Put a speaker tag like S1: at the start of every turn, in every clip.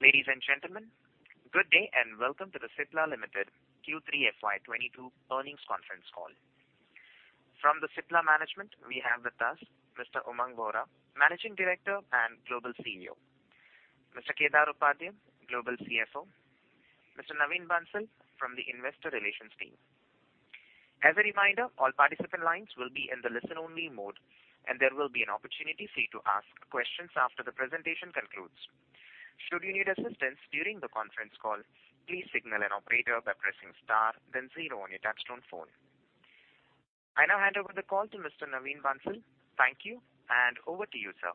S1: Ladies and gentlemen, good day, and welcome to the Cipla Limited Q3 FY 2022 earnings conference call. From the Cipla management, we have with us Mr. Umang Vohra, Managing Director and Global CEO, Mr. Kedar Upadhye, Global CFO, Mr. Naveen Bansal from the investor relations team. As a reminder, all participant lines will be in the listen-only mode, and there will be an opportunity for you to ask questions after the presentation concludes. Should you need assistance during the conference call, please signal an operator by pressing star then zero on your touchtone phone. I now hand over the call to Mr. Naveen Bansal. Thank you, and over to you, sir.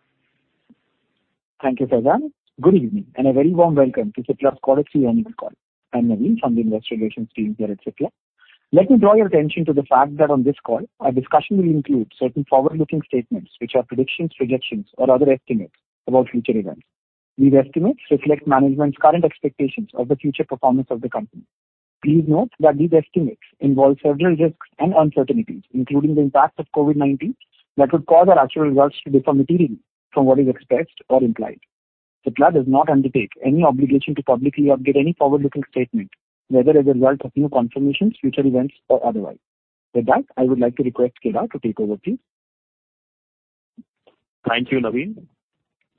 S2: Thank you, Faisal. Good evening, and a very warm welcome to Cipla's quarterly earnings call. I'm Naveen from the investor relations team here at Cipla. Let me draw your attention to the fact that on this call our discussion will include certain forward-looking statements which are predictions, projections, or other estimates about future events. These estimates reflect management's current expectations of the future performance of the company. Please note that these estimates involve several risks and uncertainties, including the impact of COVID-19, that could cause our actual results to differ materially from what is expressed or implied. Cipla does not undertake any obligation to publicly update any forward-looking statement, whether as a result of new confirmations, future events, or otherwise. With that, I would like to request Kedar to take over, please.
S3: Thank you, Naveen.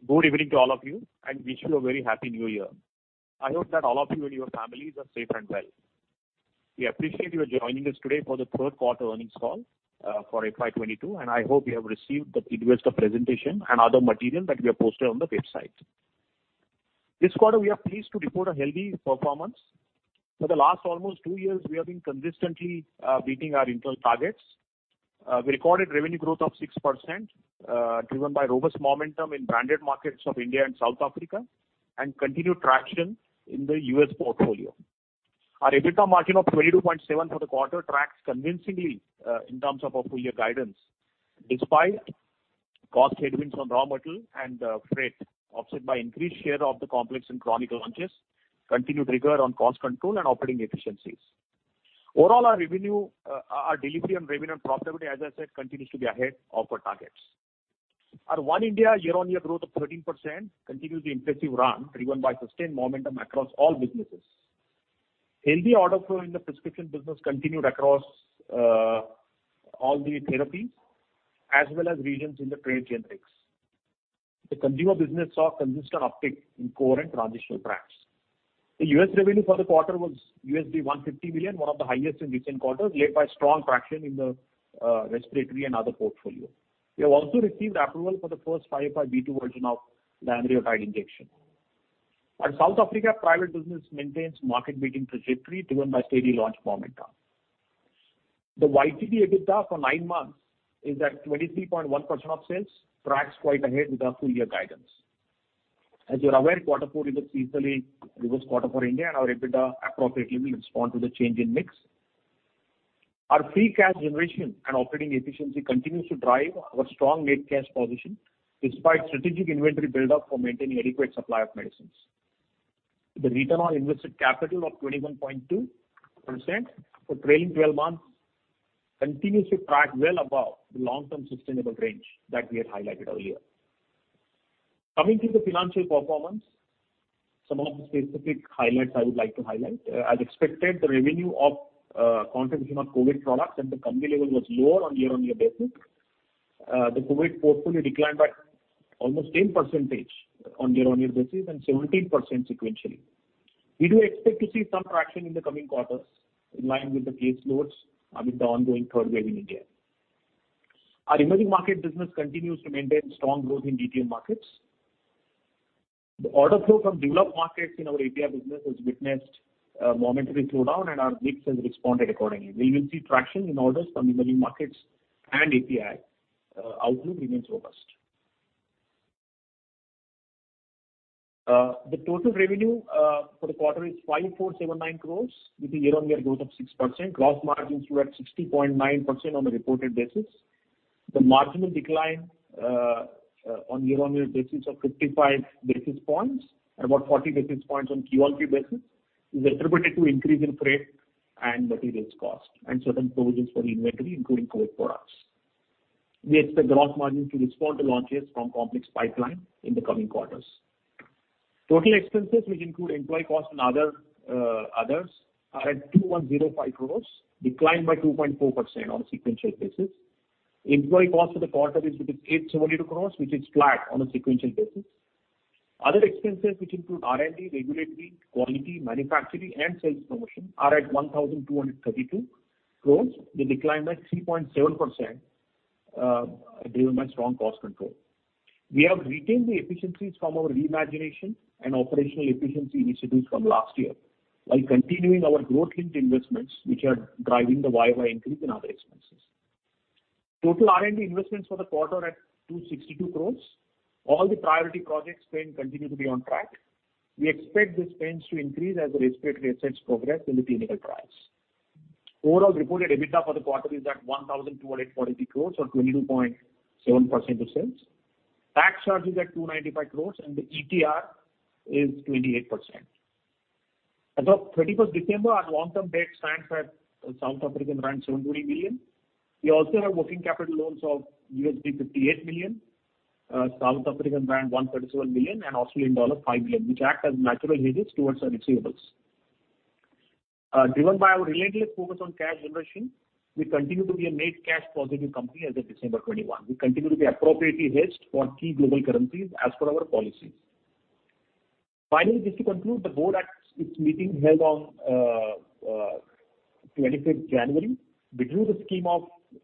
S3: Good evening to all of you, and wish you a very happy New Year. I hope that all of you and your families are safe and well. We appreciate you joining us today for the third quarter earnings call for FY 2022, and I hope you have received the investor presentation and other material that we have posted on the website. This quarter we are pleased to report a healthy performance. For the last almost two years we have been consistently beating our internal targets. We recorded revenue growth of 6%, driven by robust momentum in branded markets of India and South Africa and continued traction in the U.S. portfolio. Our EBITDA margin of 22.7% for the quarter tracks convincingly in terms of our full year guidance despite cost headwinds from raw material and freight, offset by increased share of the complex and chronic launches, continued rigor on cost control and operating efficiencies. Overall, our revenue, our delivery on revenue and profitability, as I said, continues to be ahead of our targets. Our One India year-on-year growth of 13% continues the impressive run driven by sustained momentum across all businesses. Healthy order flow in the prescription business continued across all the therapies as well as regions in the trade generics. The consumer business saw consistent uptick in core and transitional brands. The U.S. revenue for the quarter was $150 million, one of the highest in recent quarters, led by strong traction in the respiratory and other portfolio. We have also received approval for the 505(b)(2) version of the lanreotide injection. Our South African business maintains market-beating trajectory driven by steady launch momentum. The YTD EBITDA for nine months is at 23.1% of sales, tracks quite ahead of our full year guidance. As you're aware, quarter four is a seasonally weak quarter for India, and our EBITDA appropriately will respond to the change in mix. Our free cash generation and operating efficiency continues to drive our strong net cash position despite strategic inventory buildup for maintaining adequate supply of medicines. The return on invested capital of 21.2% for trailing 12 months continues to track well above the long-term sustainable range that we had highlighted earlier. Coming to the financial performance, some of the specific highlights I would like to highlight. As expected, the revenue contribution of COVID products at the company level was lower on a year-on-year basis. The COVID portfolio declined by almost 10% on a year-on-year basis and 17% sequentially. We do expect to see some traction in the coming quarters in line with the caseloads amid the ongoing third wave in India. Our emerging market business continues to maintain strong growth in DTM markets. The order flow from developed markets in our API business has witnessed a momentary slowdown, and our mix has responded accordingly. We will see traction in orders from emerging markets and API. Outlook remains robust. The total revenue for the quarter is 5,479 crores with a year-on-year growth of 6%. Gross margin stood at 60.9% on a reported basis. The marginal decline on year-on-year basis of 55 basis points and about 40 basis points on quarter-over-quarter basis is attributed to increase in freight and materials cost and certain provisions for inventory, including COVID products. We expect gross margin to respond to launches from complex pipeline in the coming quarters. Total expenses, which include employee costs and other others, are at 2,105 crore, declined by 2.4% on a sequential basis. Employee cost for the quarter is 872 crore, which is flat on a sequential basis. Other expenses, which include R&D, regulatory, quality, manufacturing, and sales promotion are at 1,232 crore. They declined by 3.7% driven by strong cost control. We have retained the efficiencies from our reimagination and operational efficiency initiatives from last year while continuing our growth-linked investments, which are driving the year-over-year increase in other expenses. Total R&D investments for the quarter at 262 crore. All the priority projects spend continue to be on track. We expect the spends to increase as the respiratory assets progress in the clinical trials. Overall reported EBITDA for the quarter is at 1,240 crore or 22.7% of sales. Tax charge is at 295 crore, and the ETR is 28%. As of 31st December, our long-term debt stands at South African rand 70 million. We also have working capital loans of $58 million, South African rand 137 million, and Australian dollar 5 million, which act as natural hedges towards our receivables. Driven by our relentless focus on cash generation, we continue to be a net cash positive company as of December 2021. We continue to be appropriately hedged for key global currencies as per our policies. Finally, just to conclude,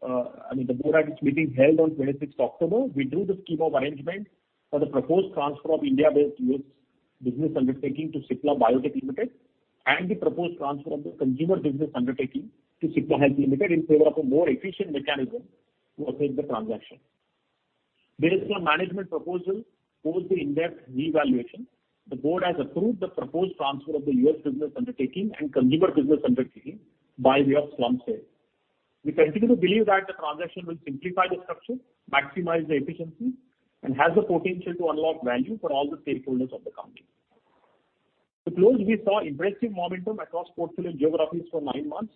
S3: the board at its meeting held on 26th October, we drew the scheme of arrangement for the proposed transfer of India-based U.S. business undertaking to Cipla BioTec Limited and the proposed transfer of the consumer business undertaking to Cipla Health Limited in favor of a more efficient mechanism to effect the transaction. Based on management proposal post the in-depth revaluation, the board has approved the proposed transfer of the U.S. business undertaking and consumer business undertaking by way of slump sale. We continue to believe that the transaction will simplify the structure, maximize the efficiency, and has the potential to unlock value for all the stakeholders of the company. To close, we saw impressive momentum across portfolio geographies for nine months.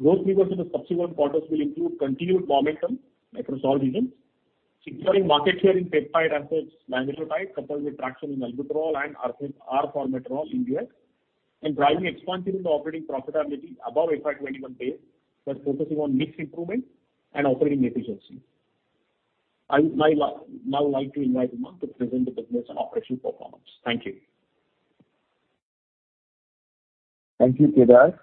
S3: Growth levers in the subsequent quarters will include continued momentum across all regions, securing market share in peptide assets like Magnesite coupled with traction in albuterol and arformoterol in the U.S., and driving expansion in the operating profitability above FY 2021 base by focusing on mix improvement and operating efficiency. I'd now like to invite Umang to present the business and operational performance. Thank you.
S4: Thank you, Kedar.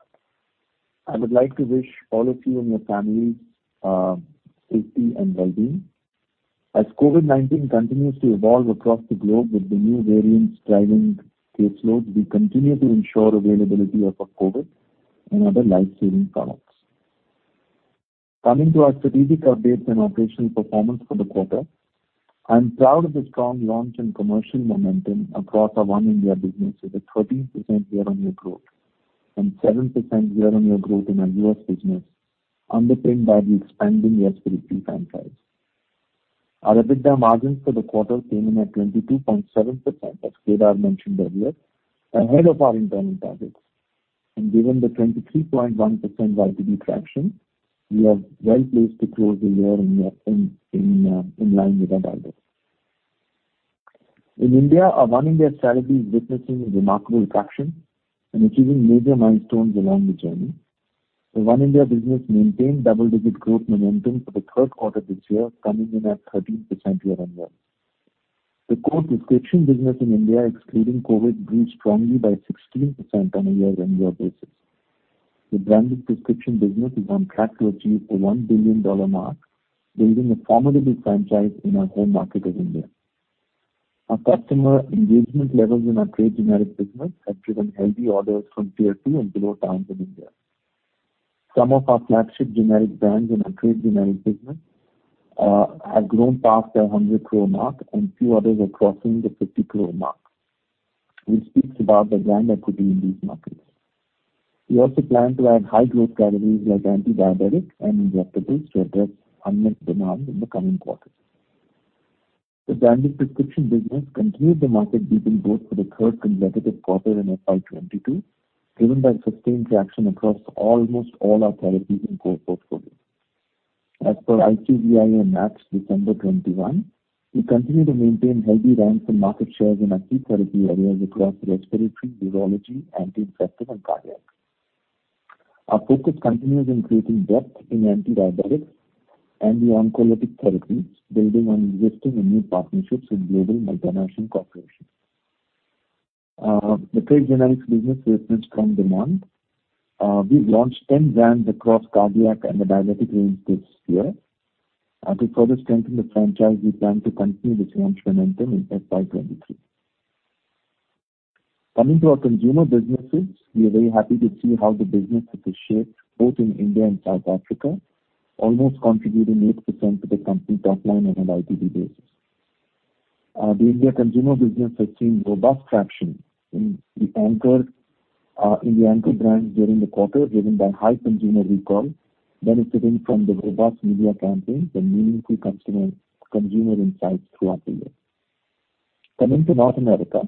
S4: I would like to wish all of you and your families safety and well-being. As COVID-19 continues to evolve across the globe with the new variants driving caseloads, we continue to ensure availability of our COVID and other life-saving products. Coming to our strategic updates and operational performance for the quarter, I'm proud of the strong launch and commercial momentum across our One India business with a 13% year-on-year growth and 7% year-on-year growth in our U.S. business, underpinned by the expanding respiratory franchise. Our EBITDA margins for the quarter came in at 22.7%, as Kedar mentioned earlier, ahead of our internal targets. Given the 23.1% YTD traction, we are well-placed to close the year in line with our guidance. In India, our One India strategy is witnessing remarkable traction and achieving major milestones along the journey. The One India business maintained double-digit growth momentum for the third quarter this year, coming in at 13% year-on-year. The core prescription business in India, excluding COVID, grew strongly by 16% on a year-on-year basis. The branded prescription business is on track to achieve the $1 billion mark, building a formidable franchise in our home market of India. Our customer engagement levels in our trade generic business have driven healthy orders from Tier 2 and below towns in India. Some of our flagship generic brands in our trade generic business have grown past the 100 crore mark, and few others are crossing the 50 crore mark, which speaks about the brand equity in these markets. We also plan to add high-growth categories like antidiabetics and injectables to address unmet demand in the coming quarters. The branded prescription business continued the market-beating growth for the third consecutive quarter in FY 2022, driven by sustained traction across almost all our therapies and core portfolios. As per IQVIA MAPs December 2021, we continue to maintain healthy ranks and market shares in our key therapy areas across respiratory, neurology, anti-infective, and cardiac. Our focus continues in creating depth in antidiabetics and the oncologic therapies, building on existing and new partnerships with global multinational corporations. The trade generics business witnessed strong demand. We launched 10 brands across cardiac and diabetic range this year. To further strengthen the franchise, we plan to continue this launch momentum in FY 2023. Coming to our consumer businesses, we are very happy to see how the business has shaped both in India and South Africa, almost contributing 8% to the company top line on an YTD basis. The India consumer business has seen robust traction in the anchor India anchor brands during the quarter, driven by high consumer recall, benefiting from the robust media campaigns and meaningful consumer insights throughout the year. Coming to North America,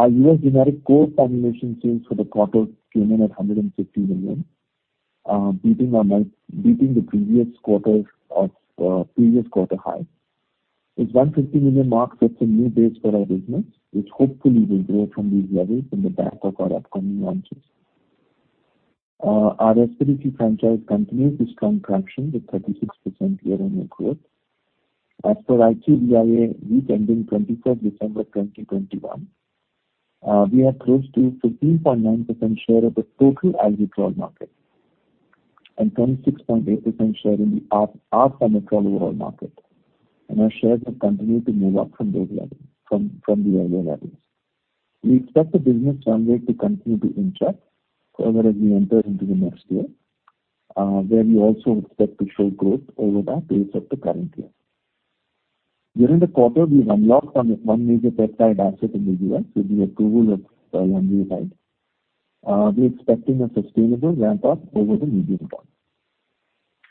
S4: our U.S. generic core formulation sales for the quarter came in at $150 million, beating the previous quarter high. This $150 million mark sets a new base for our business, which hopefully will grow from these levels on the back of our upcoming launches. Our respiratory franchise continues its strong traction with 36% year-on-year growth. As per IQVIA week ending 23rd December 2021, we are close to 15.9% share of the total albuterol market and 26.8% share in the arformoterol overall market, and our shares have continued to move up from those levels from the earlier levels. We expect the business runway to continue to inch up further as we enter into the next year, where we also expect to show growth over that base of the current year. During the quarter, we unlocked one major peptide asset in the U.S. with the approval of lanreotide. We're expecting a sustainable ramp-up over the medium term.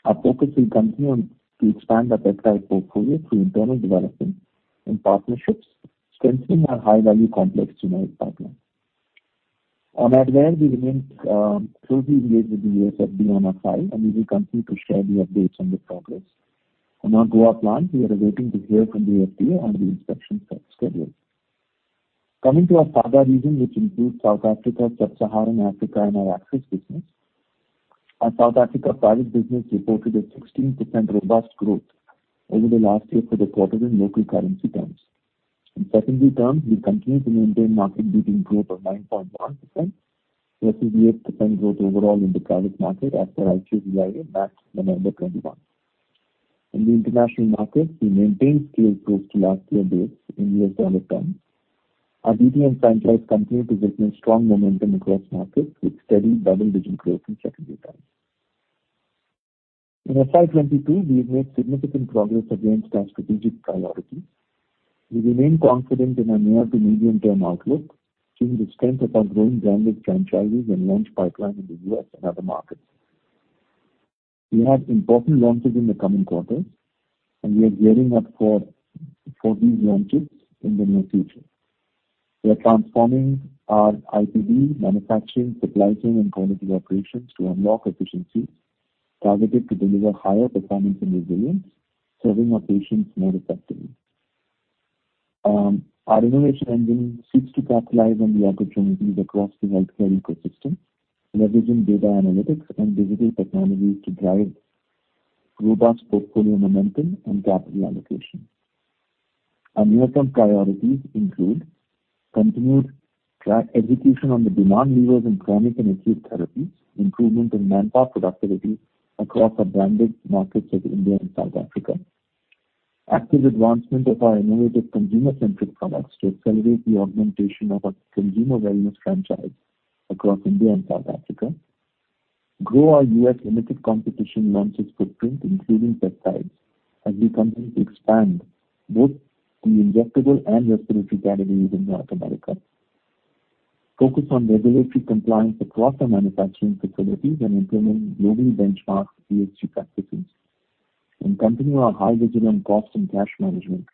S4: Our focus will continue on to expand the peptide portfolio through internal development and partnerships, strengthening our high-value complex generic pipeline. On Advair, we remain closely engaged with the USFDA on our file, and we will continue to share the updates on the progress. On our Goa plant, we are waiting to hear from the FDA on the inspection set schedule. Coming to our SAGA region, which includes South Africa, Sub-Saharan Africa, and our access business. Our South Africa private business reported a 16% robust growth over the last year for the quarter in local currency terms. In secondary terms, we continue to maintain market-leading growth of 9.1% versus 8% growth overall in the private market as per IQVIA, March-November 2021. In the international markets, we maintained sales close to last year base in U.S. dollar terms. Our DDM franchise continued to witness strong momentum across markets with steady double-digit growth in secondary terms. In FY 2022, we have made significant progress against our strategic priorities. We remain confident in our near- to medium-term outlook due to the strength of our growing branded franchises and launch pipeline in the U.S. and other markets. We have important launches in the coming quarters, and we are gearing up for these launches in the near future. We are transforming our API manufacturing, supply chain, and quality operations to unlock efficiencies targeted to deliver higher performance and resilience, serving our patients more effectively. Our innovation engine seeks to capitalize on the opportunities across the healthcare ecosystem, leveraging data analytics and digital technologies to drive robust portfolio momentum and capital allocation. Our near-term priorities include continued education on the demand levers in chronic and acute therapies, improvement in manpower productivity across our branded markets like India and South Africa. Active advancement of our innovative consumer-centric products to accelerate the augmentation of our consumer wellness franchise across India and South Africa. Grow our U.S. limited competition launches footprint, including peptides, as we continue to expand both the injectable and respiratory categories in North America. Focus on regulatory compliance across our manufacturing facilities and implement global benchmark PHC practices. Continue our highly vigilant cost and cash management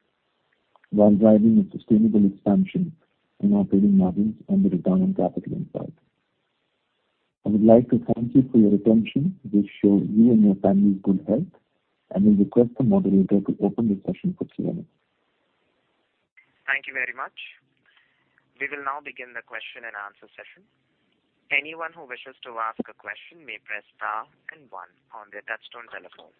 S4: while driving a sustainable expansion in our operating margins and return on invested capital. I would like to thank you for your attention. I wish you and your family good health, and I request the moderator to open the session for Q&A.
S1: Thank you very much. We will now begin the question and answer session. Anyone who wishes to ask a question may press star and one on their touch-tone telephone.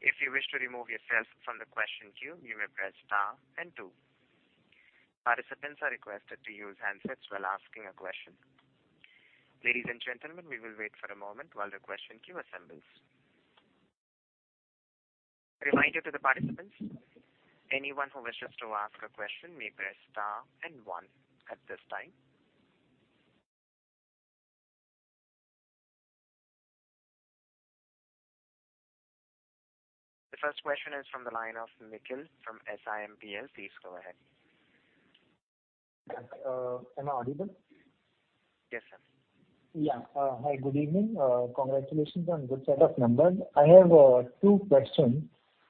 S1: If you wish to remove yourself from the question queue, you may press star and two. Participants are requested to use handsets while asking a question. Ladies and gentlemen, we will wait for a moment while the question queue assembles. Reminder to the participants, anyone who wishes to ask a question may press star and one at this time. The first question is from the line of Nikhil from SIMPL. Please go ahead.
S5: Am I audible?
S1: Yes, sir.
S5: Yeah. Hi, good evening. Congratulations on good set of numbers. I have two questions.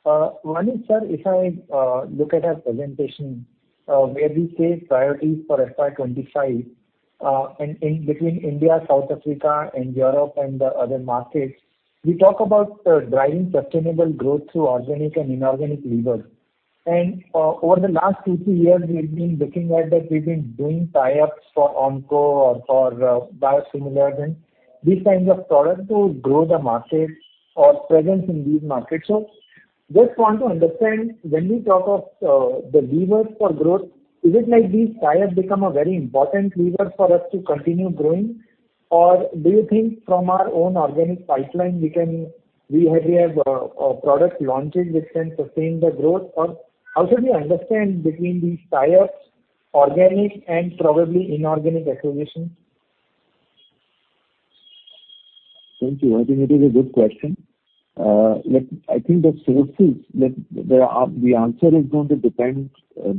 S5: One is, sir, if I look at our presentation, where we say priorities for FY 2025, in between India, South Africa and Europe and other markets, we talk about driving sustainable growth through organic and inorganic levers. Over the last two, three years, we've been looking at that we've been doing tie-ups for onco or for biosimilars and these kinds of products to grow the markets or presence in these markets. Just want to understand when we talk of the levers for growth, is it like these tie-ups become a very important lever for us to continue growing? Or do you think from our own organic pipeline we can we have product launches which can sustain the growth? How should we understand between these tie-ups, organic and probably inorganic acquisitions?
S4: Thank you. I think it is a good question. I think the answer is going to depend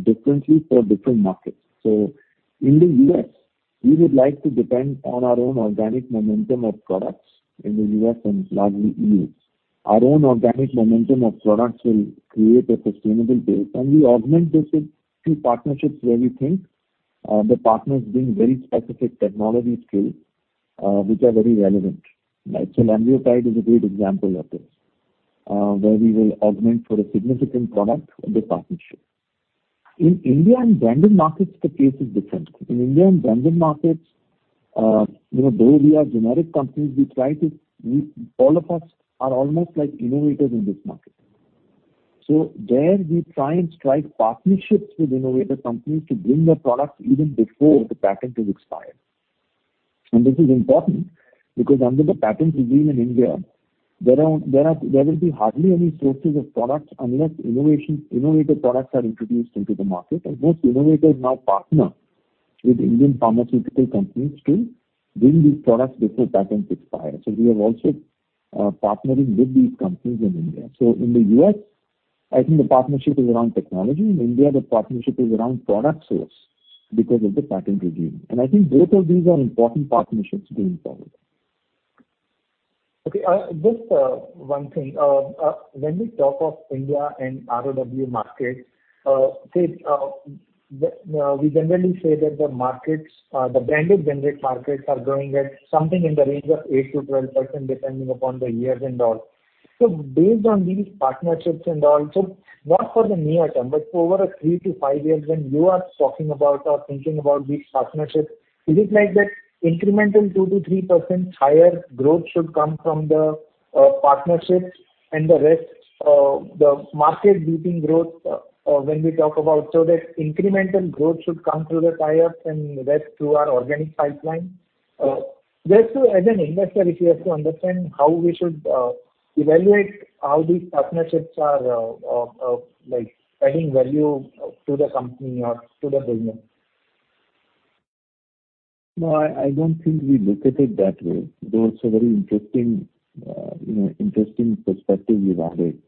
S4: differently for different markets. In the U.S., we would like to depend on our own organic momentum of products in the U.S. and largely EU Our own organic momentum of products will create a sustainable base, and we augment this with key partnerships where we think the partners bring very specific technology skills which are very relevant, right? Ambiotide is a great example of this, where we will augment for a significant product with a partnership. In India and branded markets, the case is different. In India and branded markets, you know, though we are generic companies, we try to. We all of us are almost like innovators in this market. There we try and strike partnerships with innovator companies to bring their products even before the patent is expired. This is important because under the patents regime in India there will be hardly any sources of products unless innovative products are introduced into the market. Most innovators now partner with Indian pharmaceutical companies to bring these products before patents expire. We are also partnering with these companies in India. In the U.S., I think the partnership is around technology. In India, the partnership is around product sales because of the patent regime. I think both of these are important partnerships going forward.
S5: When we talk of India and ROW markets, we generally say that the branded generic markets are growing at something in the range of 8%-12%, depending upon the years and all. Based on these partnerships and all, not for the near term, but over a 3 years-5 years when you are talking about or thinking about these partnerships, is it like that incremental 2%-3% higher growth should come from the partnerships and the rest, the market beating growth, when we talk about. This incremental growth should come through the tie-ups and rest through our organic pipeline. Just to, as an investor, if you have to understand how we should, like adding value to the company or to the business.
S4: No, I don't think we look at it that way. That's a very interesting, you know, interesting perspective you've added.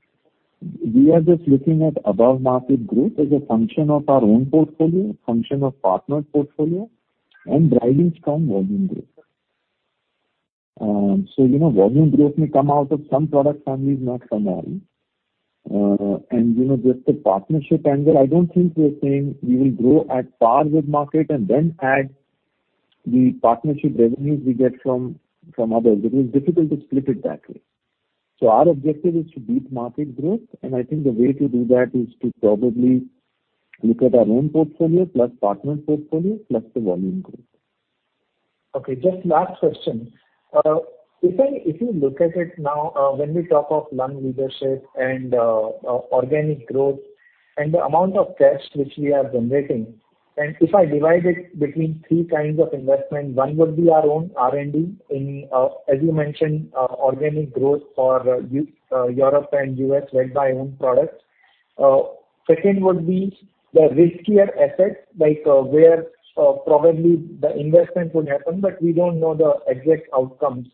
S4: We are just looking at above-market growth as a function of our own portfolio, function of partnered portfolio, and driving strong volume growth. You know, volume growth may come out of some product families, not from all. You know, just the partnership angle, I don't think we're saying we will grow at par with market and then add the partnership revenues we get from others. It is difficult to split it that way. Our objective is to beat market growth, and I think the way to do that is to probably look at our own portfolio, plus partnered portfolio, plus the volume growth.
S5: Okay, just last question. If I, if you look at it now, when we talk of lung leadership and, organic growth and the amount of cash which we are generating, and if I divide it between three kinds of investment, one would be our own R&D in, as you mentioned, organic growth for Europe and U.S. led by own products. Second would be the riskier assets, like, where, probably the investment would happen, but we don't know the exact outcomes.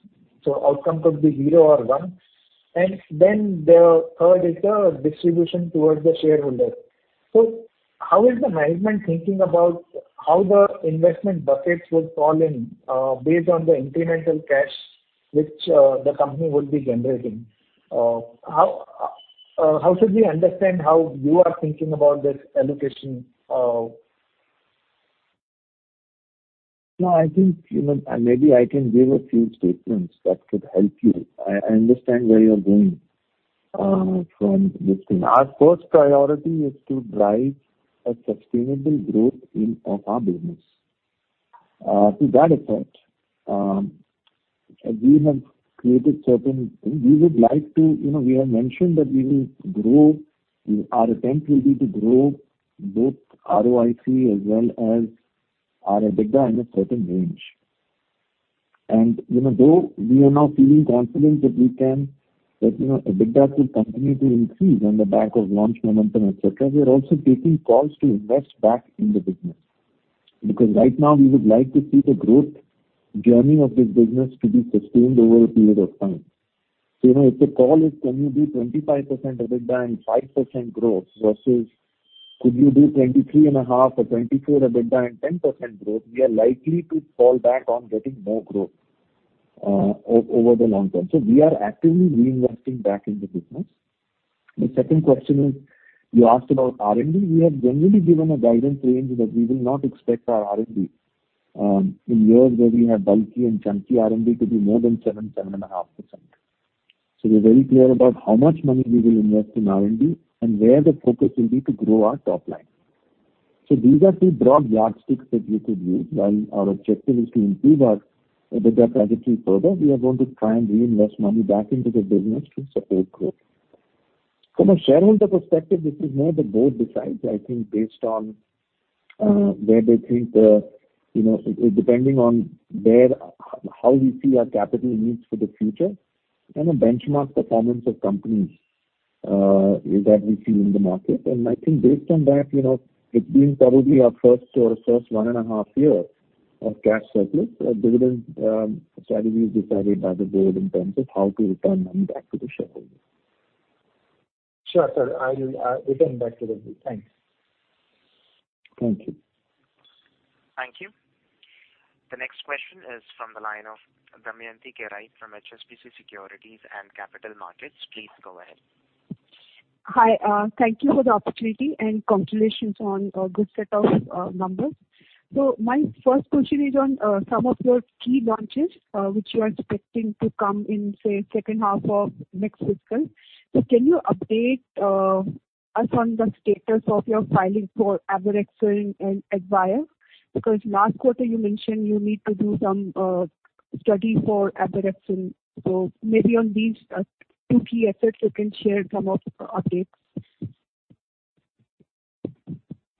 S5: Outcome could be zero or one. Then the third is the distribution towards the shareholder. How is the management thinking about how the investment buckets would fall in, based on the incremental cash which, the company would be generating? How should we understand how you are thinking about this allocation?
S4: No, I think, you know, maybe I can give a few statements that could help you. I understand where you're going from this thing. Our first priority is to drive a sustainable growth in of our business. To that effect, we have mentioned that we will grow. Our attempt will be to grow both ROIC as well as our EBITDA in a certain range. You know, though we are now feeling confident that we can, you know, EBITDA could continue to increase on the back of launch momentum, et cetera, we are also taking calls to invest back in the business. Because right now we would like to see the growth journey of this business to be sustained over a period of time. You know, if the call is can you do 25% EBITDA and 5% growth versus could you do 23.5 or 24 EBITDA and 10% growth, we are likely to fall back on getting more growth over the long term. We are actively reinvesting back in the business. The second question is you asked about R&D. We have generally given a guidance range that we will not expect our R&D in years where we have bulky and chunky R&D to be more than 7%-7.5%. We're very clear about how much money we will invest in R&D and where the focus will be to grow our top line. These are two broad yardsticks that we could use. While our objective is to improve our EBITDA trajectory further, we are going to try and reinvest money back into the business to support growth. From a shareholder perspective, this is more the board decides, I think, based on where they think the, you know. Depending on their, how we see our capital needs for the future and the benchmark performance of companies, that we see in the market. I think based on that, you know, it being probably our first or first 1.5 year of cash surplus, our dividend strategy is decided by the board in terms of how to return money back to the shareholders.
S5: Sure, sir. I will return back to the group. Thanks.
S4: Thank you.
S1: Thank you. The next question is from the line of Damayanti Kerai from HSBC Securities and Capital Markets. Please go ahead.
S6: Hi, thank you for the opportunity and congratulations on a good set of numbers. My first question is on some of your key launches which you are expecting to come in, say, second half of next fiscal. Can you update us on the status of your filing for Abraxane and Advair? Because last quarter you mentioned you need to do some study for Abraxane. Maybe on these two key assets you can share some of updates.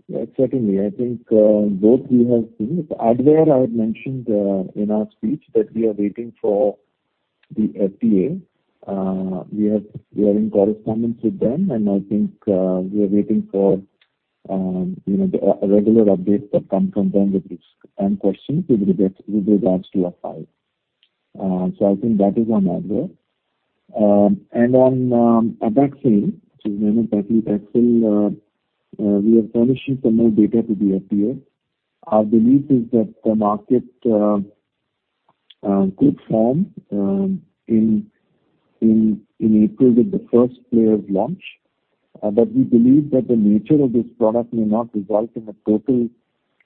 S4: Yeah, certainly. I think both we have been Advair. I had mentioned in our speech that we are waiting for the FDA. We are in correspondence with them, and I think we are waiting for you know the regular updates that come from them with risk and questions with regard to with regards to our file. So I think that is on Advair. And on Abraxane, which is another peptide. Abraxane we are furnishing some more data to the FDA. Our belief is that the market could form in April with the first player's launch. We believe that the nature of this product may not result in a total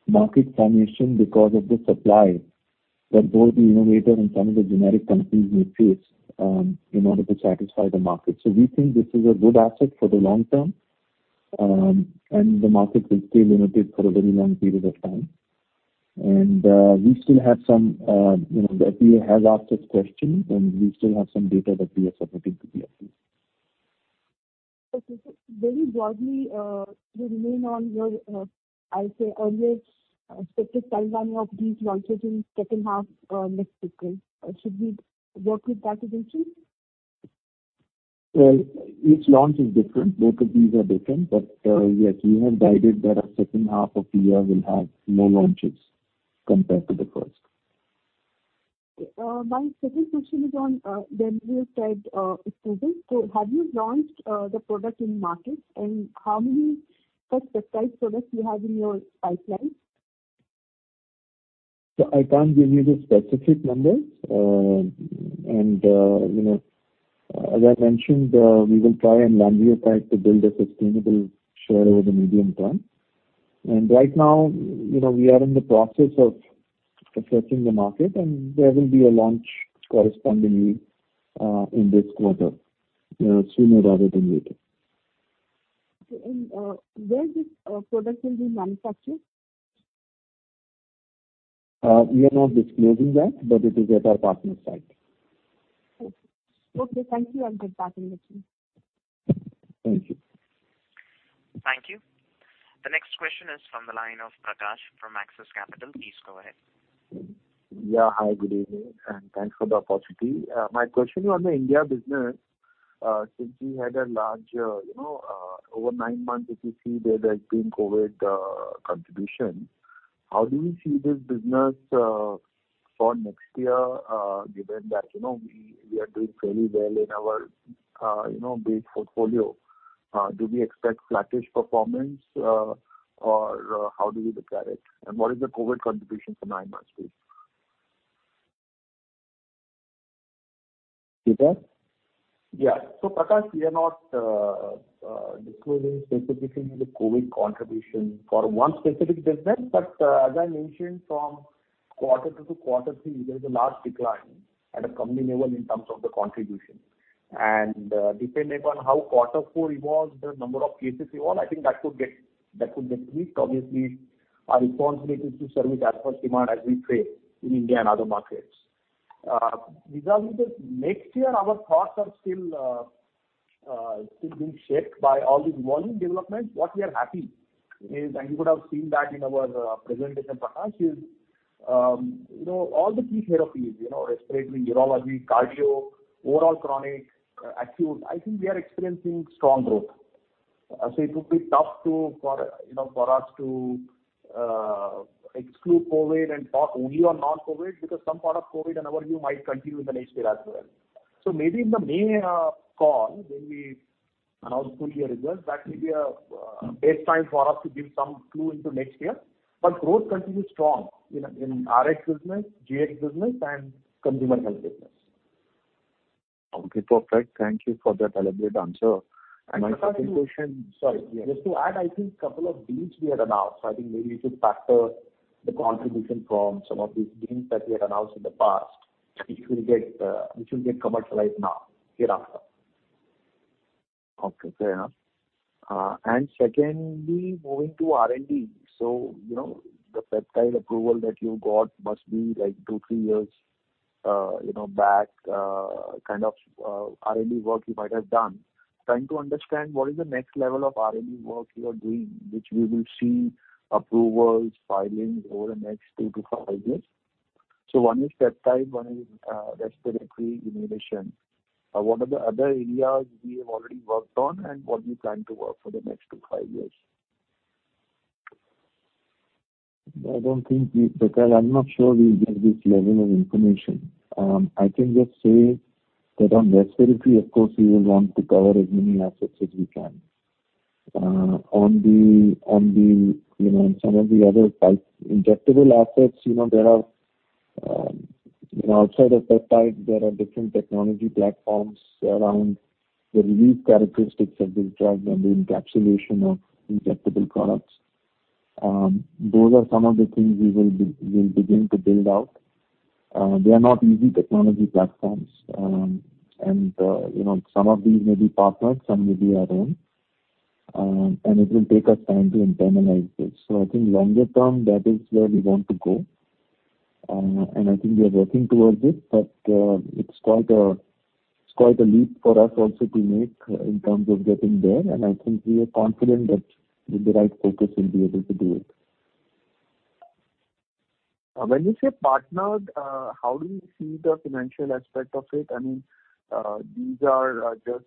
S4: market formation because of the supply that both the innovator and some of the generic companies may face in order to satisfy the market. We think this is a good asset for the long term, and the market will stay limited for a very long period of time. We still have some you know, the FDA has asked us questions, and we still have some data that we are submitting to the FDA.
S6: Okay. Very broadly, you remain on your, I'll say earlier expected timeline of these launches in second half, next fiscal. Should we work with that assumption?
S4: Well, each launch is different. Both of these are different. Yes, we have guided that our second half of the year will have more launches compared to the first.
S6: Okay. My second question is on the launch guide. Have you launched the product in the market and how many first peptide products do you have in your pipeline?
S4: I can't give you specific numbers and as i mentioned, we will try and manufacture to build sustainable, shorter than medium plan. Right now you know, we are in the process of protecting the market and there will be a launch corresponding in this quarter, you know, sooner than later.
S6: Does this production be manufactured?
S4: We are not disclosing that, but it is about our partner's site.
S6: Thank you. [inaudible]
S4: Thank you.
S1: Thank you. The next question is from the line of Prakash from Axis Capital. Please go ahead.
S7: Hi, good evening, and thanks for the opportunity. My question is on the India business. Since you had a large, you know, over nine months if you see there has been COVID contribution. How do you see this business for next year, given that, you know, we are doing fairly well in our, you know, base portfolio. Do we expect flattish performance, or how do you look at it? And what is the COVID contribution for nine months please?
S4: Kedar?
S3: Yeah. Prakash, we are not disclosing specifically the COVID contribution for one specific business. As I mentioned from quarter two to quarter three, there is a large decline at a company level in terms of the contribution. Depending on how quarter four evolves, the number of cases evolve, I think that could get tweaked. Obviously, our responsibility is to service as per demand as we trade in India and other markets. Regarding the next year, our thoughts are still being shaped by all these volume developments. What we are happy is, and you would have seen that in our presentation, Prakash, is, you know, all the key therapies, you know, respiratory, neurology, cardio, overall chronic acute, I think we are experiencing strong growth. It would be tough for, you know, for us to exclude COVID and talk only on non-COVID because some part of COVID in our view might continue in the next year as well. Maybe in the May call when we announce full year results, that may be a base time for us to give some clue into next year. Growth continues strong in RX business, GX business, and consumer health business.
S7: Okay. Perfect. Thank you for that elaborate answer. My second question.
S3: Prakash, sorry.
S7: Yeah.
S3: Just to add, I think couple of deals we had announced. I think maybe you should factor the contribution from some of these deals that we had announced in the past, which will get commercialized now hereafter.
S7: Okay. Fair enough. Secondly, moving to R&D. You know, the peptide approval that you got must be like 2-3 years, you know, back, kind of, R&D work you might have done. Trying to understand what is the next level of R&D work you are doing, which we will see approvals, filings over the next 2 years-5 years. One is peptide, one is respiratory inhalation. What are the other areas you have already worked on and what you plan to work for the next 2 years-5 years?
S4: I don't think we, Prakash, I'm not sure we give this level of information. I can just say that on respiratory, of course, we will want to cover as many assets as we can. On the you know, some of the other pipeline injectable assets, you know, there are you know, outside of peptide, there are different technology platforms around the release characteristics of these drugs and the encapsulation of injectable products. Those are some of the things we'll begin to build out. They are not easy technology platforms. You know, some of these may be partnered, some may be our own. It will take us time to internalize this. I think longer term that is where we want to go. I think we are working towards it, but it's quite a leap for us also to make in terms of getting there. I think we are confident that with the right focus we'll be able to do it.
S7: When you say partnered, how do you see the financial aspect of it? I mean, these are, just,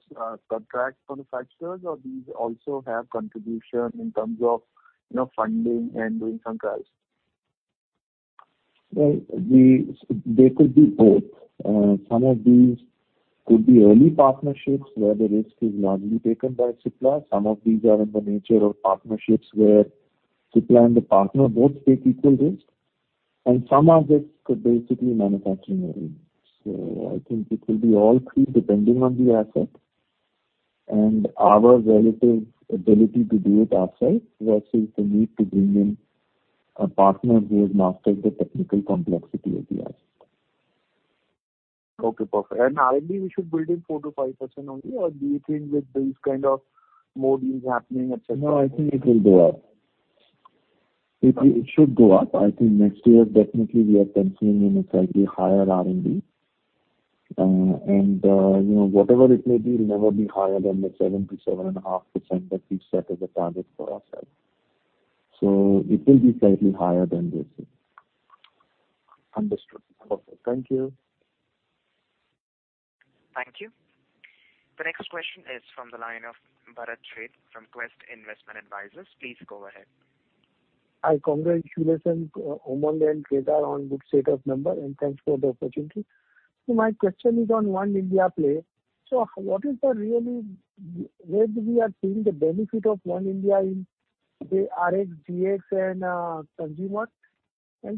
S7: contract manufacturers or these also have contribution in terms of you know, funding and doing some trials.
S4: Well, there could be both. Some of these could be early partnerships where the risk is largely taken by Cipla. Some of these are in the nature of partnerships where Cipla and the partner both take equal risk, and some of it could basically manufacturing only. I think it will be all three depending on the asset and our relative ability to do it ourselves versus the need to bring in a partner who has mastered the technical complexity of the asset.
S7: Okay, perfect. R&D, we should build in 4%-5% only or do you think with these kind of models happening, et cetera?
S4: No, I think it will go up. It should go up. I think next year definitely we are penciling in a slightly higher R&D. You know, whatever it may be, it'll never be higher than the 7%-7.5% that we've set as a target for ourselves. It will be slightly higher than this year.
S7: Understood. Okay, thank you.
S1: Thank you. The next question is from the line of Bharat Sheth from Quest Investment Advisors. Please go ahead.
S8: Hi. Congratulations, Umang and Kedar, on good set of numbers, and thanks for the opportunity. My question is on One India play. What really are we seeing the benefit of One India in the Rx, Gx and consumer?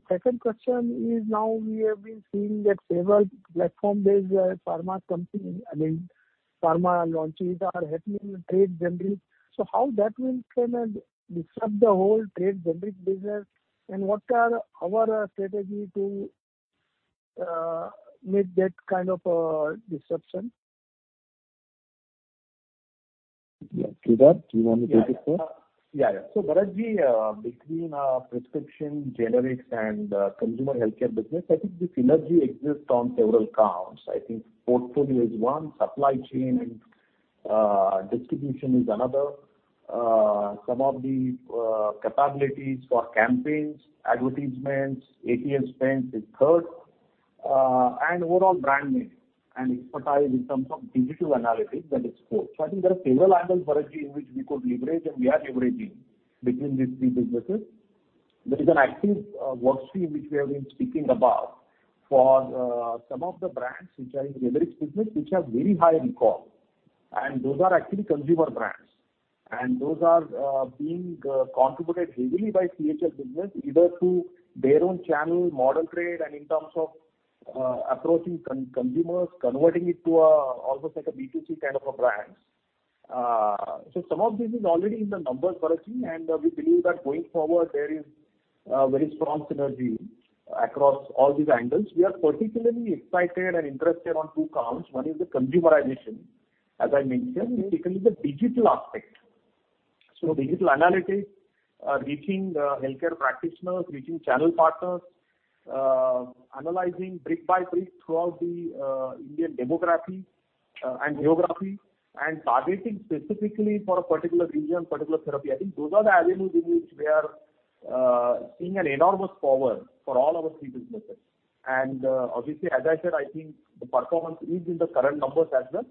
S8: Second question is, now we have been seeing that several platform-based pharma company, I mean, pharma launches are happening in the trade generic. How that will kinda disrupt the whole trade generic business, and what are our strategy to meet that kind of a disruption?
S4: Yeah. Kedar, do you wanna take it first?
S3: Yeah. Bharatji, between prescription generics and consumer healthcare business, I think the synergy exists on several counts. I think portfolio is one, supply chain and distribution is another. Some of the capabilities for campaigns, advertisements, A&P spends is third. And overall brand name and expertise in terms of digital analytics, that is fourth. I think there are several angles, Bharatji, in which we could leverage, and we are leveraging between these three businesses. There is an active work stream which we have been speaking about for some of the brands which are in generics business, which have very high recall, and those are actually consumer brands. Those are being contributed heavily by CHC business, either through their own channel, modern trade, and in terms of approaching consumers, converting it to almost like a B2C kind of a brands. Some of this is already in the numbers, Bharatji, and we believe that going forward, there is a very strong synergy across all these angles. We are particularly excited and interested on two counts. One is the consumerization, as I mentioned, and secondly the digital aspect. Digital analytics are reaching healthcare practitioners, reaching channel partners, analyzing brick by brick throughout the Indian demography and geography, and targeting specifically for a particular region, particular therapy. I think those are the avenues in which we are seeing an enormous power for all our three businesses. Obviously, as I said, I think the performance is in the current numbers as well,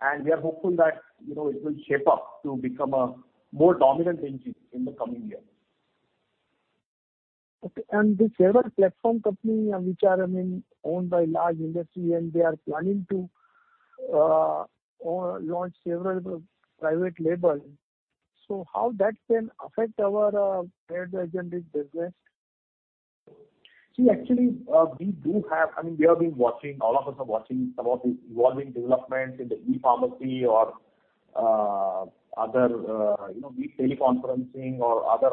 S3: and we are hopeful that, you know, it will shape up to become a more dominant engine in the coming years.
S8: The several platform companies, which are, I mean, owned by large industry and they are planning to launch several private label. So how that can affect our trade generic business?
S3: See, actually, we do have. I mean, we have been watching, all of us are watching some of these evolving developments in the e-pharmacy or other, you know, be it teleconferencing or other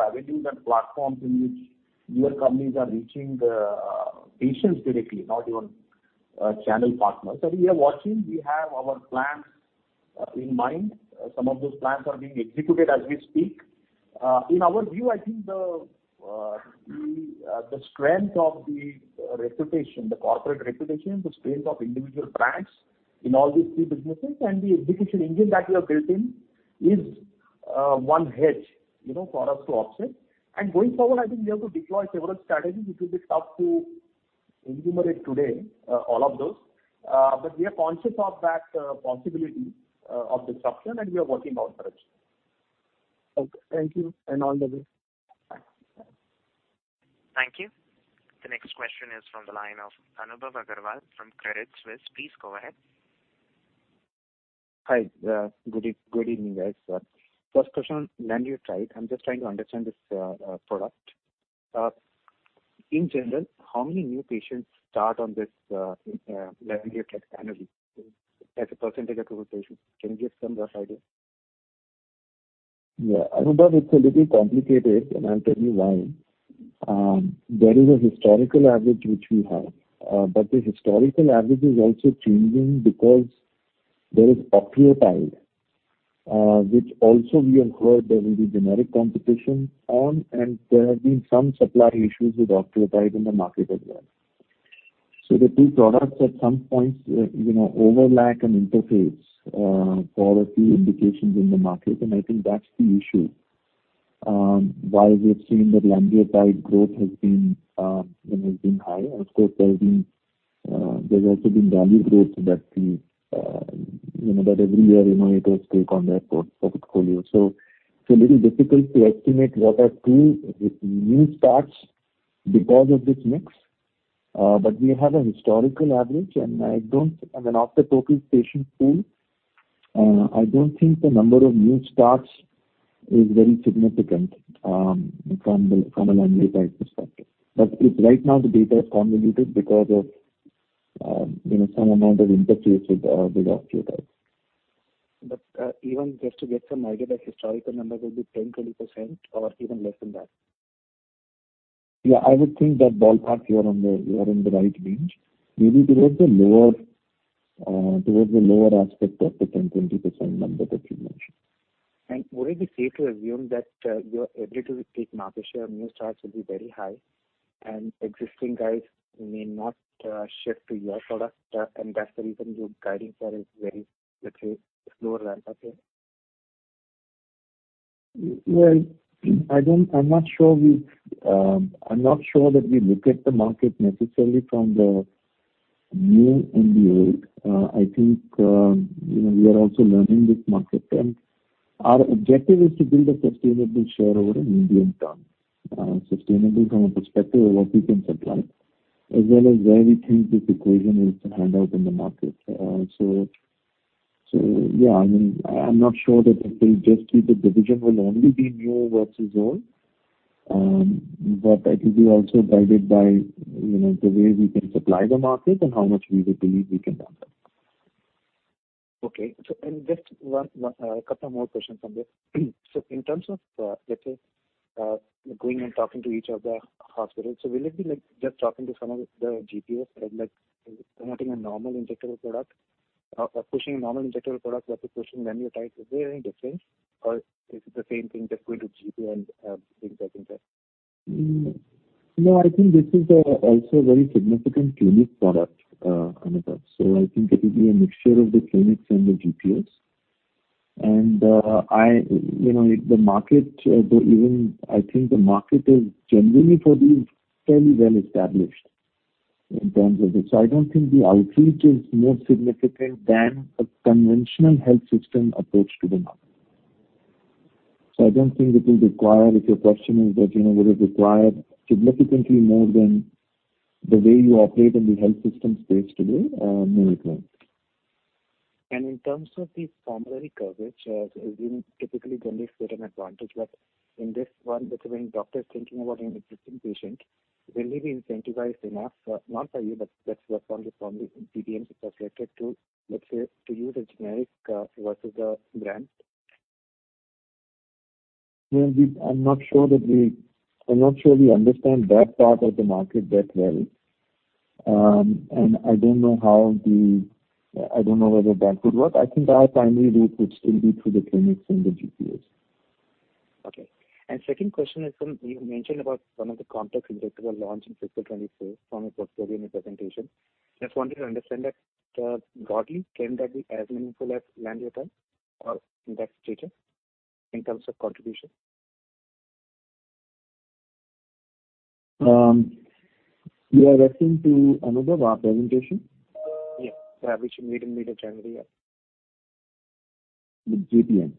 S3: avenues and platforms in which newer companies are reaching the patients directly, not even channel partners. We are watching. We have our plans in mind. Some of those plans are being executed as we speak. In our view, I think the strength of the reputation, the corporate reputation, the strength of individual brands in all these three businesses and the execution engine that we have built in is one hedge, you know, for us to offset. Going forward, I think we have to deploy several strategies, which will be tough to enumerate today, all of those. We are conscious of that possibility of disruption and we are working on Bharatji.
S8: Okay. Thank you. All the best.
S3: Thanks.
S1: Thank you. The next question is from the line of Anubhav Aggarwal from Credit Suisse. Please go ahead.
S9: Hi. Good evening, guys. First question, lanreotide. I'm just trying to understand this product. In general, how many new patients start on this lanreotide annually as a percentage of total patients? Can you give some rough idea?
S4: Yeah. Anubhav, it's a little complicated, and I'll tell you why. There is a historical average which we have. The historical average is also changing because there is octreotide, which also we have heard there will be generic competition on, and there have been some supply issues with octreotide in the market as well. The two products at some points, you know, overlap and interface for a few indications in the market, and I think that's the issue. While we have seen that lanreotide growth has been, you know, high, and of course there's also been value growth that we, you know, that every year, you know, it was taken on their portfolio. It's a little difficult to estimate what are new starts because of this mix. We have a historical average, and I mean, of the total patient pool, I don't think the number of new starts is very significant from a lanreotide perspective. Right now the data is convoluted because of you know, some amount of interference with the other two types.
S9: Even just to get some idea that historical number will be 10%, 20% or even less than that.
S4: Yeah, I would think that ballpark you are on the, you are in the right range. Maybe towards the lower aspect of the 10%-20% number that you mentioned.
S9: Would it be safe to assume that your ability to take market share of new starts will be very high and existing guys may not shift to your product? That's the reason your guiding share is very, let's say, slower than expected.
S4: Well, I'm not sure that we look at the market necessarily from the new and the old. I think you know, we are also learning this market. Our objective is to build a sustainable share over a medium term. Sustainable from a perspective of what we can supply as well as where we think this equation is to pan out in the market. Yeah, I mean, I'm not sure that it will just be the division will only be new versus old. I think we're also guided by you know, the way we can supply the market and how much we believe we can benefit.
S9: Okay. Just one. A couple more questions on this. In terms of, let's say, going and talking to each of the hospitals, will it be like just talking to some of the GPS and like promoting a normal injectable product or pushing a normal injectable product versus pushing lanreotide? Is there any difference or is it the same thing just going to GP and things like that?
S4: No, I think this is also a very significant clinic product, Anubhav. I think it will be a mixture of the clinics and the GPs. You know, the market is generally fairly well established for these in terms of this. I don't think the outreach is more significant than a conventional health system approach to the market. I don't think it will require. If your question is that, you know, would it require significantly more than the way you operate in the health system space today? No, it won't.
S9: In terms of the formulary coverage, typically generates certain advantage. In this one, between doctors thinking about an existing patient, will they be incentivized enough, not by you, but let's form this from the PBMs perspective to, let's say, to use a generic, versus a brand?
S4: Well, I'm not sure we understand that part of the market that well. I don't know whether that would work. I think our primary route would still be through the clinics and the GPs.
S9: Okay. Second question is from. You mentioned about one of the complex injectable launch in FY 2024 from a portfolio presentation. Just wanted to understand that, broadly, can that be as meaningful as lanreotide or in that status in terms of contribution?
S4: You are referring to, Anubhav, our presentation?
S9: Yeah. Which we made in mid of January, yeah.
S4: The GPM?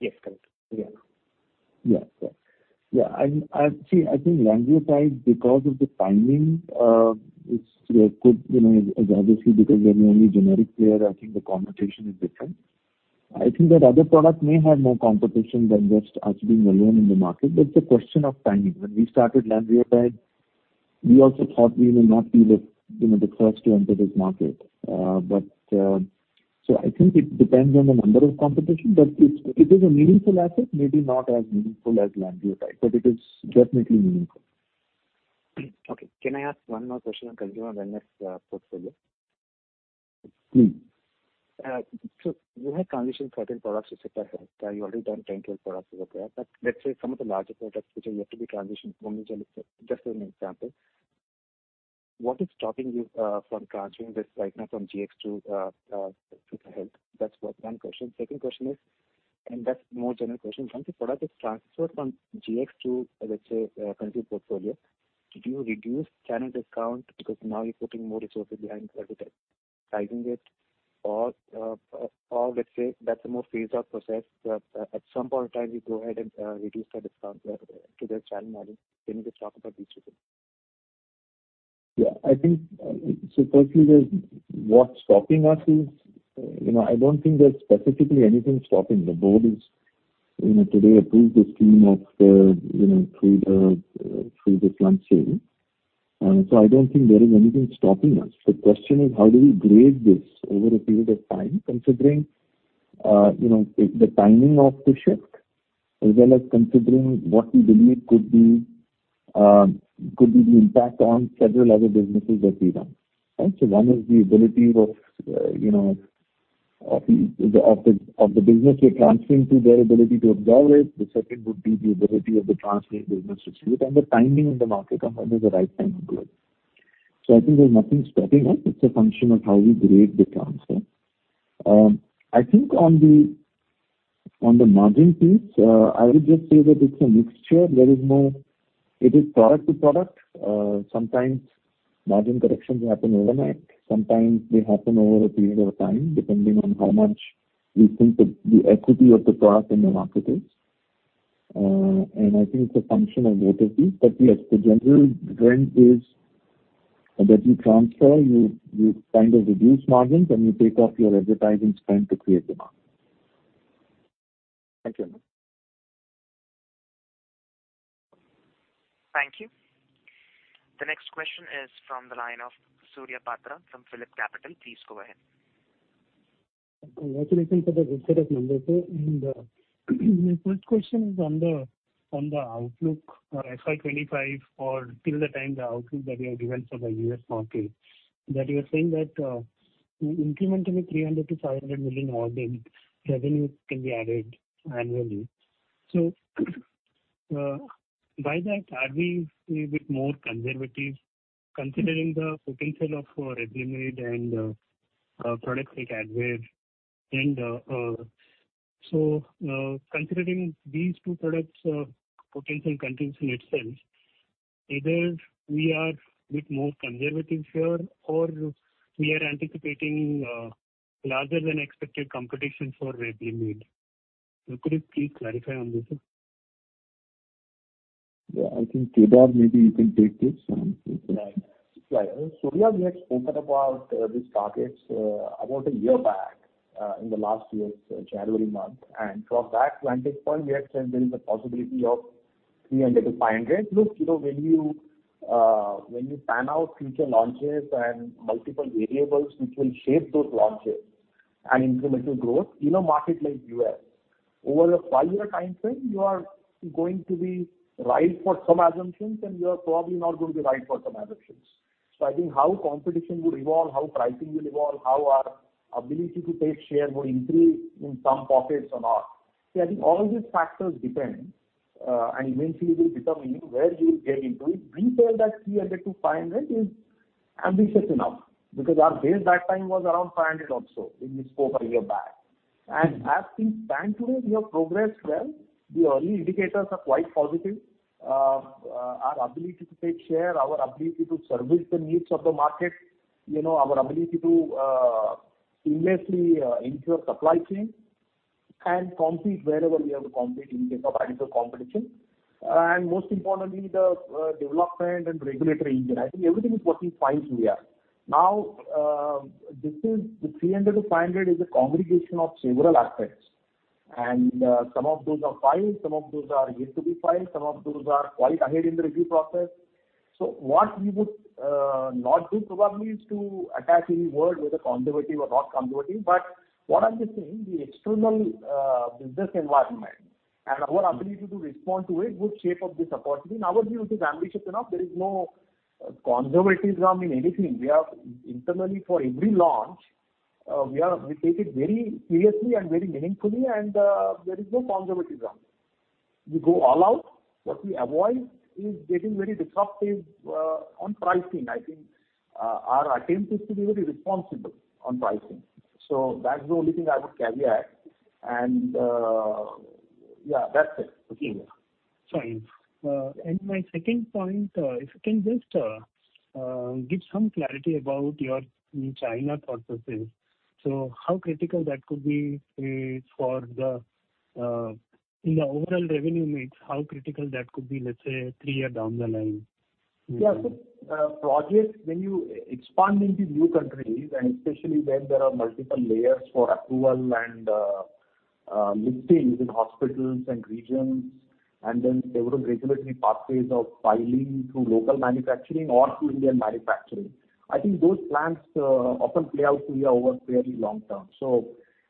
S9: Yes, correct. Yeah.
S4: You see, I think lanreotide, because of the timing, could, you know, as obviously because we're the only generic player. I think the competition is different. I think that other products may have more competition than just us being alone in the market, but it's a question of timing. When we started lanreotide, we also thought we will not be the, you know, the first to enter this market. I think it depends on the number of competitors. It is a meaningful asset, maybe not as meaningful as lanreotide, but it is definitely meaningful.
S9: Okay. Can I ask one more question on consumer wellness, portfolio?
S4: Mm-hmm.
S9: You have transitioned certain products to Cipla Health. You already done 10, 12 products over there. Let's say some of the larger products which are yet to be transitioned, Omnigel, just as an example, what is stopping you from transferring this right now from GX to Cipla Health? That's one question. Second question is, that's a more general question. Once the product is transferred from GX to, let's say, consumer portfolio, did you reduce channel discount because now you're putting more resources behind targeting it? Or let's say that's a more phased out process. At some point in time you go ahead and reduce the discount to the channel margin. Can you just talk about these two things?
S4: Yeah. I think, firstly, what's stopping us is, you know, I don't think there's specifically anything stopping. The board, you know, today approved the scheme of the, you know, through the plan sale. I don't think there is anything stopping us. The question is how do we grade this over a period of time, considering, you know, the timing of the shift as well as considering what we believe could be the impact on several other businesses that we run. Right? One is the ability of, you know, of the business we're transferring to, their ability to absorb it. The second would be the ability of the transferring business to cede it and the timing in the market on when is the right time to do it. I think there's nothing stopping us. It's a function of how we grade the transfer. I think on the margin piece, I would just say that it's a mixture. It is product to product. Sometimes margin corrections happen overnight, sometimes they happen over a period of time, depending on how much we think the equity of the product in the market is. I think it's a function of both of these. Yes, the general trend is that you transfer, you kind of reduce margins, and you take off your advertising spend to create demand.
S9: Thank you.
S1: Thank you. The next question is from the line of Surya Patra from PhillipCapital. Please go ahead.
S10: Congratulations on the good set of numbers, sir. My first question is on the outlook for FY 2025 or till the time the outlook that you have given for the U.S. market, you are saying that incrementally $300 million-$500 million revenue can be added annually. By that, are we a bit more conservative considering the potential of Revlimid and products like Advair? Considering these two products' potential contribution itself, either we are a bit more conservative here, or we are anticipating larger than expected competition for Revlimid. Could you please clarify on this, sir?
S4: Yeah, I think, Kedar, maybe you can take this one.
S3: Right. Surya, we had spoken about these targets about a year back in the last year's January month. From that vantage point, we had said there is a possibility of $300 million-$500 million. Look, you know, when you plan out future launches and multiple variables which will shape those launches and incremental growth in a market like U.S., over a five-year timeframe, you are going to be right for some assumptions and you are probably not going to be right for some assumptions. I think how competition will evolve, how pricing will evolve, how our ability to take share will increase in some pockets or not. See, I think all these factors depend and eventually will determine where you will get into it. We feel that 300-500 is ambitious enough because our base that time was around 500 also in this over a year back. I think to date, we have progressed well. The early indicators are quite positive. Our ability to take share, our ability to service the needs of the market, you know, our ability to seamlessly ensure supply chain and compete wherever we have to compete in case of added competition. Most importantly, the development and regulatory engine. I think everything is working fine so far. Now, this is the 300-500 is a congregation of several aspects. Some of those are filed, some of those are yet to be filed, some of those are quite ahead in the review process. What we would not do probably is to attach any word, whether conservative or not conservative. What I'm just saying, the external business environment and our ability to respond to it would shape up this opportunity. In our view, it is ambitious enough. There is no conservatism in anything. Internally, for every launch, we take it very seriously and very meaningfully, and there is no conservatism. We go all out. What we avoid is getting very disruptive on pricing. I think our attempt is to be very responsible on pricing. That's the only thing I would caveat. Yeah, that's it.
S10: Okay. Fine. My second point, if you can just give some clarity about your China presence. How critical that could be in the overall revenue mix, how critical that could be, let's say, three years down the line?
S3: Yeah. Projects, when you expand into new countries, and especially when there are multiple layers for approval and listing within hospitals and regions, and then several regulatory pathways of filing through local manufacturing or through Indian manufacturing. I think those plans often play out over a fairly long term.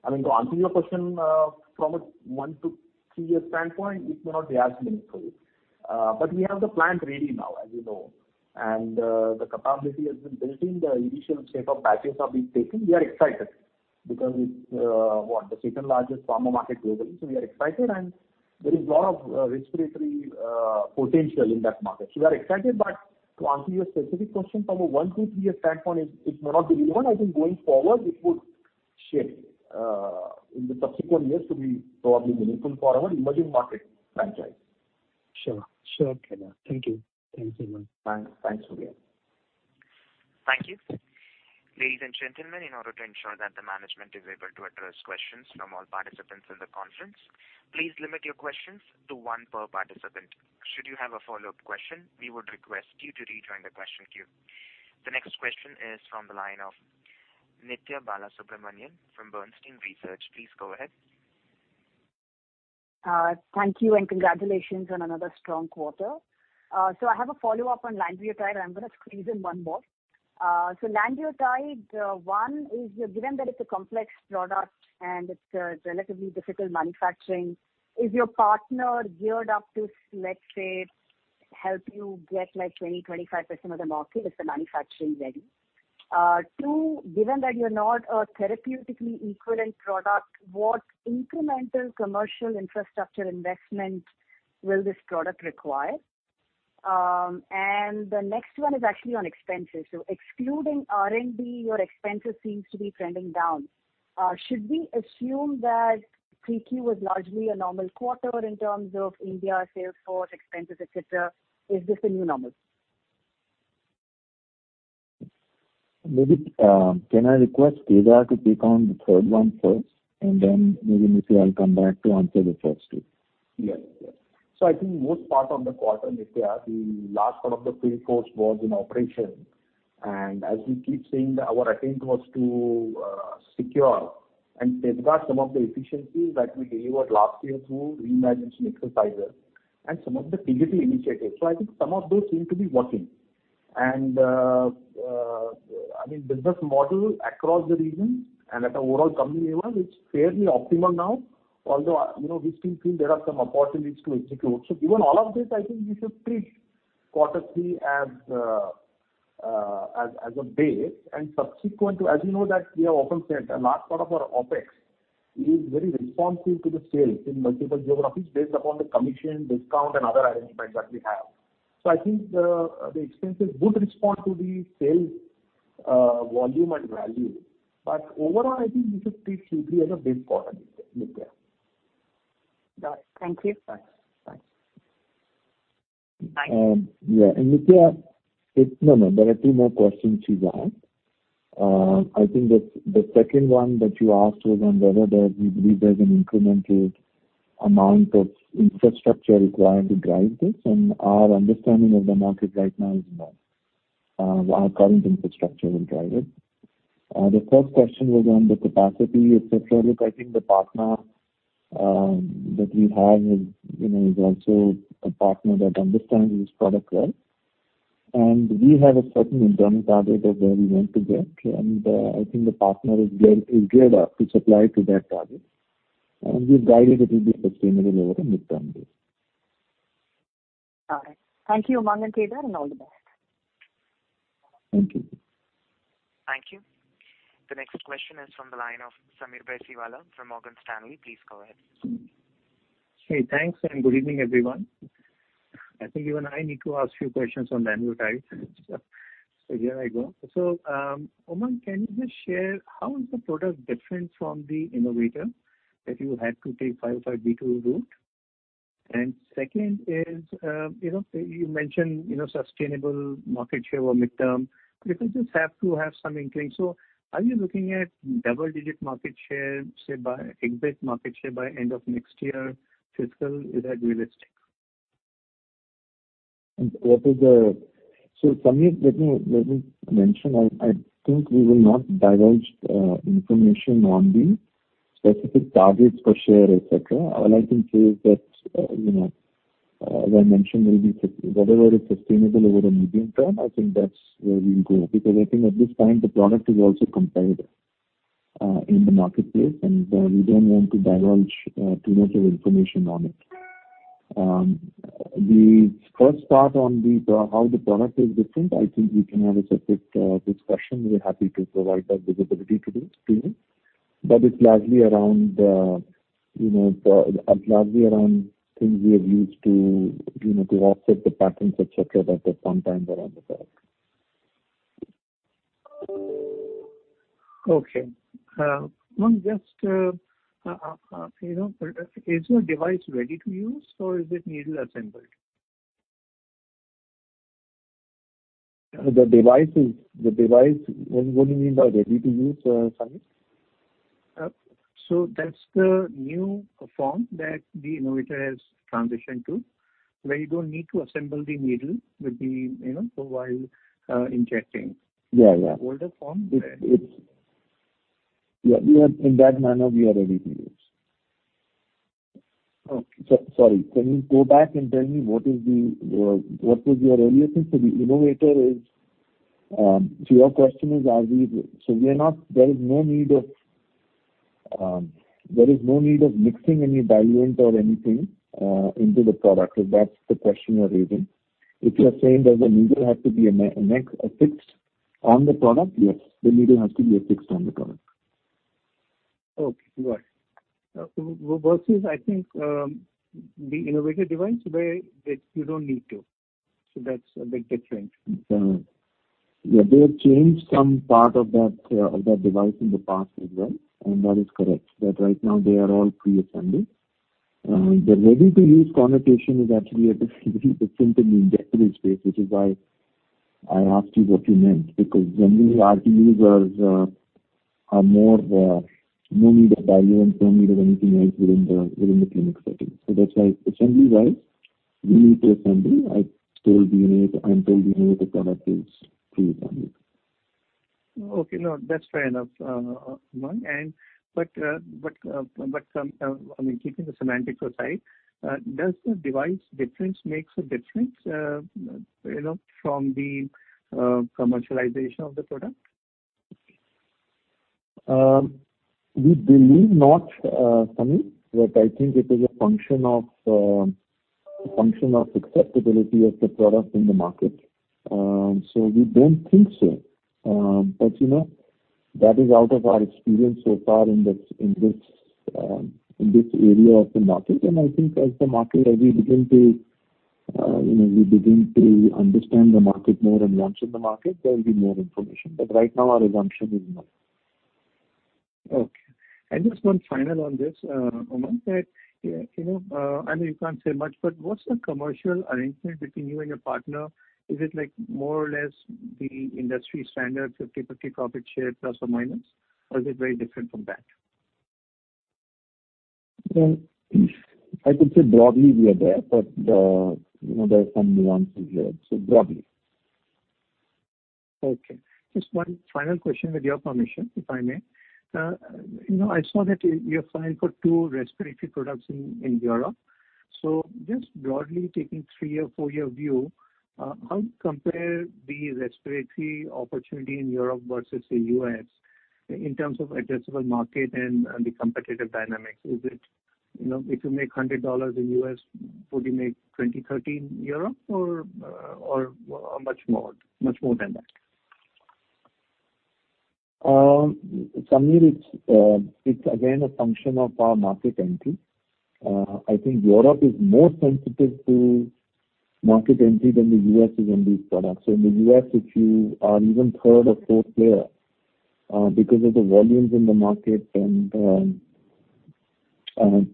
S3: I mean, to answer your question, from a 1- year to 3-year standpoint, it may not be as meaningful. We have the plan ready now, as you know. The capability has been built in. The initial set of batches have been taken. We are excited because it's the second-largest pharma market globally. We are excited, and there is lot of respiratory potential in that market. We are excited. To answer your specific question from a 1-3-year standpoint, it may not be even. I think going forward it would shift in the subsequent years to be probably meaningful for our emerging market franchise.
S10: Sure. Sure.
S3: Okay.
S10: Thank you. Thanks so much.
S3: Thanks. Thanks, Surya.
S1: Thank you. Ladies and gentlemen, in order to ensure that the management is able to address questions from all participants in the conference, please limit your questions to one per participant. Should you have a follow-up question, we would request you to rejoin the question queue. The next question is from the line of Nithya Balasubramanian from Bernstein Research. Please go ahead.
S11: Thank you, and congratulations on another strong quarter. I have a follow-up on lanreotide. I'm gonna squeeze in one more. Lanreotide, one is given that it's a complex product and it's relatively difficult manufacturing, is your partner geared up to, let's say, help you get like 20%-25% of the market? Is the manufacturing ready? Two, given that you're not a therapeutically equivalent product, what incremental commercial infrastructure investment will this product require? The next one is actually on expenses. Excluding R&D, your expenses seem to be trending down. Should we assume that Q3 was largely a normal quarter in terms of India sales force expenses, etc.? Is this a new normal?
S4: Maybe, can I request Kedar to take on the third one first, and then maybe Nithya, I'll come back to answer the first two.
S3: Yes. Yes. I think most part of the quarter, Nithya, the last part of the third quarter was in operation. We keep saying that our attempt was to secure and safeguard some of the efficiencies that we delivered last year through Reimagination exercises and some of the digital initiatives. I think some of those seem to be working. I mean the business model across the region and at the overall company level is fairly optimal now, although, you know, we still feel there are some opportunities to execute. Given all of this, I think we should treat quarter three as a base. As you know that we have often said a large part of our OpEx is very responsive to the sales in multiple geographies based upon the commission discount and other arrangements that we have. I think the expenses would respond to the sales volume and value. Overall, I think we should treat Q3 as a base quarter, Nithya.
S11: Got it. Thank you. Bye. Bye.
S4: Nithya, no, there are two more questions she's asked. I think that the second one that you asked was on whether we believe there's an incremental amount of infrastructure required to drive this. Our understanding of the market right now is no. Our current infrastructure will drive it. The first question was on the capacity, et cetera. Look, I think the partner that we have is, you know, is also a partner that understands this product well. We have a certain internal target of where we want to get. I think the partner is geared up to supply to that target. We've guided it will be sustainable over a midterm base.
S11: All right. Thank you, Umang and Kedar, and all the best.
S4: Thank you.
S1: Thank you. The next question is from the line of Sameer Baisiwala from Morgan Stanley. Please go ahead.
S12: Hey, thanks. Good evening, everyone. I think even I need to ask a few questions lanreotide. Here I go. Umang, can you just share how the product is different from the innovator that you had to take 505(b)(2) route? Second is, you know, you mentioned sustainable market share or midterm. You know, things have to have some incline. Are you looking at double-digit market share, say, by exit market share by end of next year fiscal? Is that realistic?
S4: Sameer, let me mention, I think we will not divulge information on the specific targets for share, et cetera. All I can say is that, as I mentioned, maybe whatever is sustainable over the medium term, I think that's where we'll go. Because I think at this time the product is also competitive in the marketplace, and we don't want to divulge too much information on it. The first part on how the product is different, I think we can have a separate discussion. We're happy to provide that visibility to you. But it's largely around, you know, largely around things we have used to, you know, to offset the patents, et cetera, that at some time were on the product.
S12: Okay. Umang, just, you know, is your device ready to use or is it needle assembled?
S4: The device. What do you mean by ready to use, Sameer?
S12: That's the new form that the innovator has transitioned to, where you don't need to assemble the needle with the, you know, while injecting.
S4: Yeah, yeah.
S12: Older form where-
S4: Yeah, in that manner, we are ready to use.
S12: Okay.
S4: Sorry, can you go back and tell me what is the, what was your earlier thing? There is no need of mixing any diluent or anything into the product. If that's the question you're raising. If you're saying does the needle have to be affixed on the product? Yes. The needle has to be affixed on the product.
S12: Okay, got it. Versus, I think, the innovator device where you don't need to. That's a big difference.
S4: They have changed some part of that device in the past as well. That is correct, that right now they are all pre-assembled. The ready to use connotation is actually a different segment in dedicated space, which is why I asked you what you meant. Because generally RTUs are more of no need of diluent, no need of anything else within the clinic setting. That's why assembly-wise, we need to assemble. I told you earlier the product is pre-assembled.
S12: Okay. No, that's fair enough, Umang. I mean, keeping the semantics aside, does the device difference makes a difference, you know, from the commercialization of the product?
S4: We believe not, Sameer. I think it is a function of acceptability of the product in the market. We don't think so. You know, that is out of our experience so far in this area of the market. I think as we begin to understand the market more and launch in the market, there will be more information. Right now our assumption is none.
S12: Okay. Just one final on this, Umang, you know, I know you can't say much, but what's the commercial arrangement between you and your partner? Is it, like, more or less the industry standard, 50/50 profit share plus or minus or is it very different from that?
S4: Well, I could say broadly we are there, but, you know, there are some nuances here, so broadly.
S12: Okay. Just one final question with your permission, if I may. You know, I saw that you applied for two respiratory products in Europe. Just broadly taking 3-year or 4-year view, how do you compare the respiratory opportunity in Europe versus the U.S. in terms of addressable market and the competitive dynamics? You know, if you make $100 in U.S. would you make $20, $30 in Europe or much more than that?
S4: Sameer, it's again a function of our market entry. I think Europe is more sensitive to market entry than the U.S. is in these products. In the U.S. if you are even third or fourth player, because of the volumes in the market and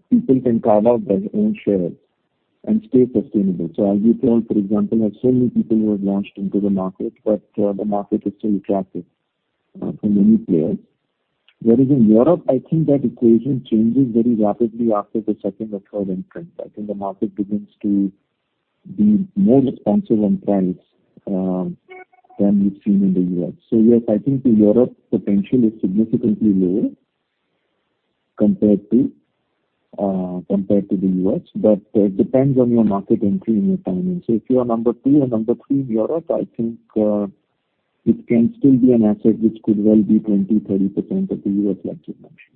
S4: people can carve out their own shares and stay sustainable. As you can, for example, have so many people who have launched into the market, but the market is still attractive for many players. Whereas in Europe, I think that equation changes very rapidly after the second or third entrance. I think the market begins to be more responsive on price than we've seen in the U.S. Yes, I think the Europe potential is significantly lower compared to the U.S. It depends on your market entry and your timing. If you are number two or number three in Europe, I think it can still be an asset which could well be 20%-30% of the U.S. launching margin.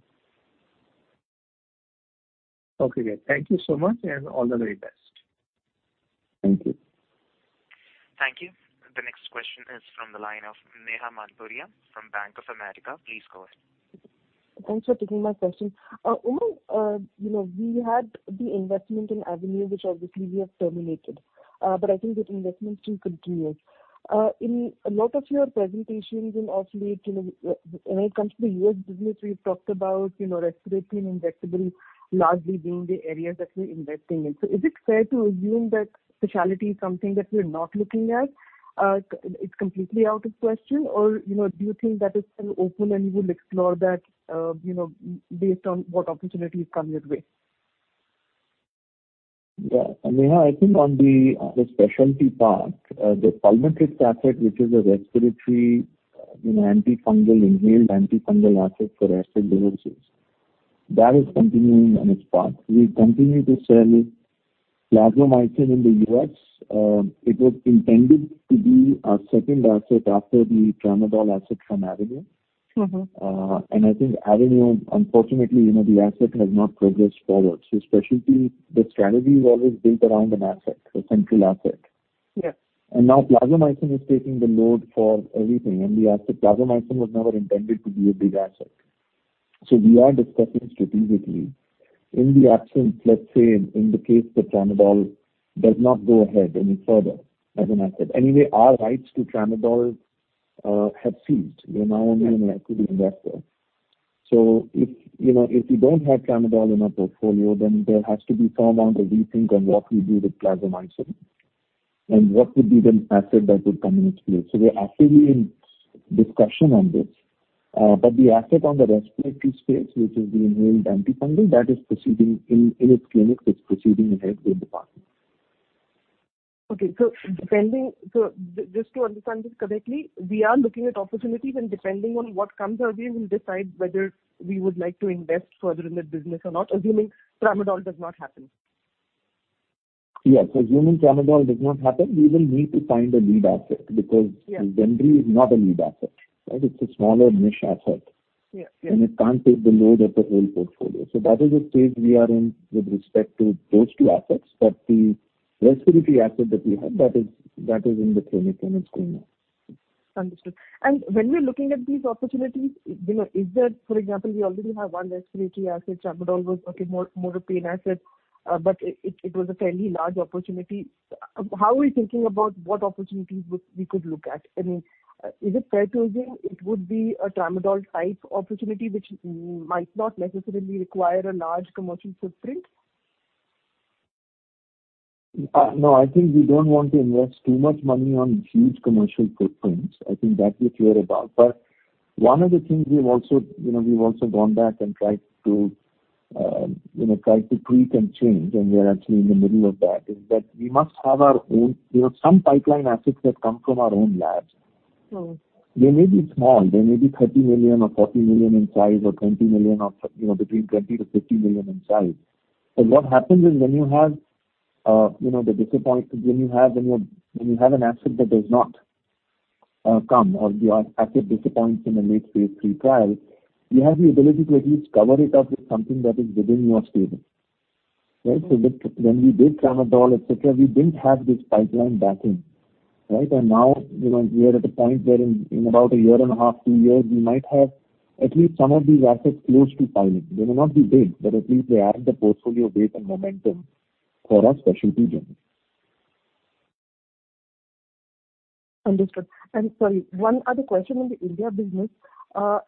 S12: Okay. Great. Thank you so much, and all the very best.
S4: Thank you.
S1: Thank you. The next question is from the line of Neha Manpuria from Bank of America. Please go ahead.
S13: Thanks for taking my question. Umang, you know, we had the investment in Avenue, which obviously we have terminated, but I think that investment still continues. In a lot of your presentations and also, you know, when it comes to the U.S. business, we've talked about, you know, respiratory and injectable largely being the areas that we're investing in. Is it fair to assume that specialty is something that we're not looking at? It's completely out of question or, you know, do you think that it's still open and you will explore that, you know, based on what opportunities come your way?
S4: Yeah. Neha, I think on the specialty part, the pulmonary asset, which is a respiratory, you know, antifungal, inhaled antifungal asset for Aspergillus diseases, that is continuing on its path. We continue to sell plazomicin in the U.S. It was intended to be our second asset after the Tramadol asset from Avenue.
S13: Mm-hmm.
S4: I think Avenue, unfortunately, you know, the asset has not progressed forward. Specialty, the strategy is always built around an asset, a central asset.
S13: Yes.
S4: Now plazomicin is taking the load for everything, and the asset plazomicin was never intended to be a big asset. We are discussing strategically in the absence, let's say in the case that tramadol does not go ahead any further as an asset. Anyway, our rights to Tramadol have ceased. We are now only an equity investor. If, you know, if we don't have tramadol in our portfolio, then there has to be some amount of rethink on what we do with plazomicin and what would be the asset that would come into play. We're actively in discussion on this. The asset on the respiratory space, which is the inhaled antifungal, that is proceeding in its clinics. It's proceeding ahead with the partners.
S13: Okay. Just to understand this correctly, we are looking at opportunities and depending on what comes our way, we'll decide whether we would like to invest further in that business or not, assuming Tramadol does not happen.
S4: Yes. Assuming Tramadol does not happen, we will need to find a lead asset because.
S13: Yes.
S4: ZEMDRI is not a lead asset, right? It's a smaller niche asset.
S13: Yes. Yes.
S4: It can't take the load of the whole portfolio. That is the stage we are in with respect to those two assets. The respiratory asset that we have, that is in the clinic and it's going on.
S13: Understood. When we're looking at these opportunities, you know, is there for example we already have one respiratory asset. Tramadol was okay more a pain asset, but it was a fairly large opportunity. How are we thinking about what opportunities we could look at? I mean, is it fair to assume it would be a tramadol type opportunity which might not necessarily require a large commercial footprint?
S4: No, I think we don't want to invest too much money on huge commercial footprints. I think that we're clear about. One of the things we've also, you know, gone back and tried to, you know, tweak and change, and we are actually in the middle of that, is that we must have our own, you know, some pipeline assets that come from our own labs.
S13: Mm-hmm.
S4: They may be small. They may be $30 million or $40 million in size, or $20 million or, you know, between $20-$50 million in size. What happens is when you have an asset that does not come or your asset disappoints in a late phase III trial, you have the ability to at least cover it up with something that is within your stable. Right. When we did Tramadol, et cetera, we didn't have this pipeline backing, right? Now, you know, we are at a point where in about 1.5 years, 2 years, we might have at least some of these assets close to filing. They may not be big, but at least they add the portfolio base and momentum for our specialty business.
S13: Understood. Sorry, one other question on the India business.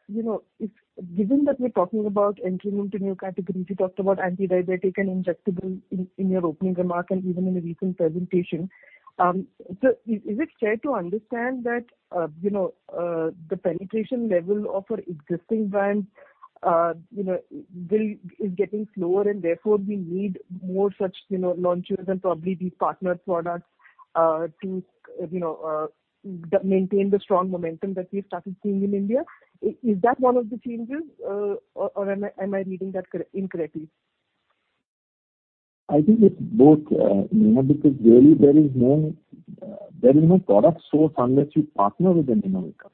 S13: You know, if given that we're talking about entering into new categories, you talked about antidiabetic and injectable in your opening remark and even in the recent presentation. So is it fair to understand that you know the penetration level of our existing brands you know is getting slower and therefore we need more such you know launches and probably these partnered products to you know maintain the strong momentum that we've started seeing in India. Is that one of the changes or am I reading that incorrectly?
S4: I think it's both, Neha because really there is no product source unless you partner with them in America, right?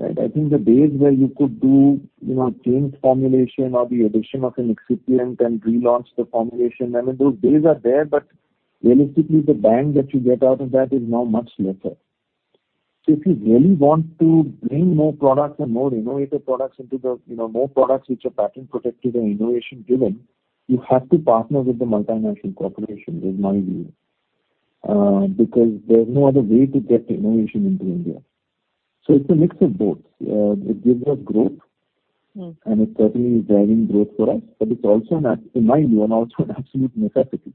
S4: I think the days where you could do, you know, change formulation or the addition of an excipient and relaunch the formulation, I mean, those days are there, but realistically the bang that you get out of that is now much lesser. If you really want to bring more products and more innovative products into the, you know, more products which are patent protected and innovation driven, you have to partner with the multinational corporation, is my view. Because there's no other way to get innovation into India. It's a mix of both. It gives us growth-
S13: Mm-hmm.
S4: It certainly is driving growth for us. But it's also an absolute necessity.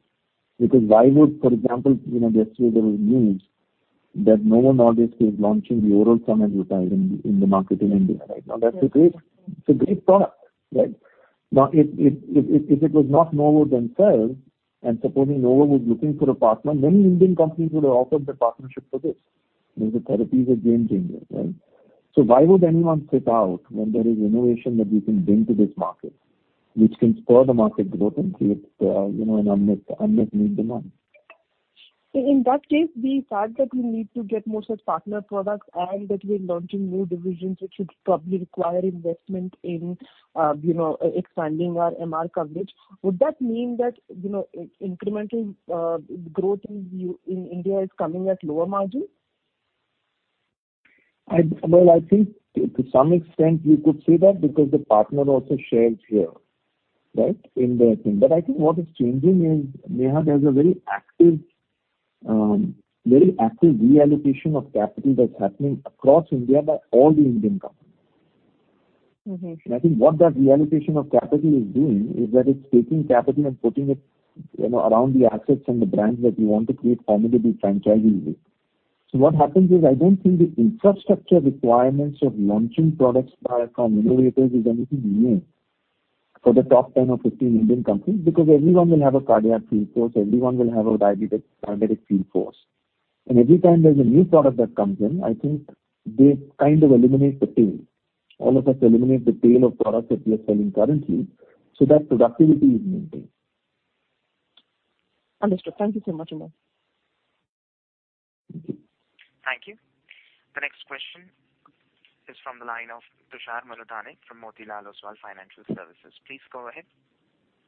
S4: Because why would, for example, you know, yesterday there was news that Novo Nordisk is launching the oral semaglutide in the market in India right now. That's a great product, right? Now, if it was not Novo themselves, and supposing Novo was looking for a partner, many Indian companies would have offered the partnership for this. Because the therapy is a game changer, right? So why would anyone sit out when there is innovation that we can bring to this market, which can spur the market growth and create, you know, an unmet need demand?
S13: In that case, the fact that we need to get more such partner products and that we're launching new divisions, which would probably require investment in, you know, expanding our MR coverage, would that mean that, you know, incremental growth in India is coming at lower margin?
S4: Well, I think to some extent you could say that because the partner also shares here, right? In the thing. I think what is changing is, Neha, there's a very active reallocation of capital that's happening across India by all the Indian companies.
S13: Mm-hmm.
S4: I think what that reallocation of capital is doing is that it's taking capital and putting it, you know, around the assets and the brands that you want to create formidable franchises with. What happens is, I don't think the infrastructure requirements of launching products by, from innovators is anything new for the top 10 or 15 Indian companies, because everyone will have a cardiac field force, everyone will have a diabetic field force. Every time there's a new product that comes in, I think they kind of eliminate the tail. Almost like eliminate the tail of products that we are selling currently, so that productivity is maintained.
S13: Understood. Thank you so much, Umang.
S1: Thank you. The next question is from the line of Tushar Manudhane from Motilal Oswal Financial Services. Please go ahead.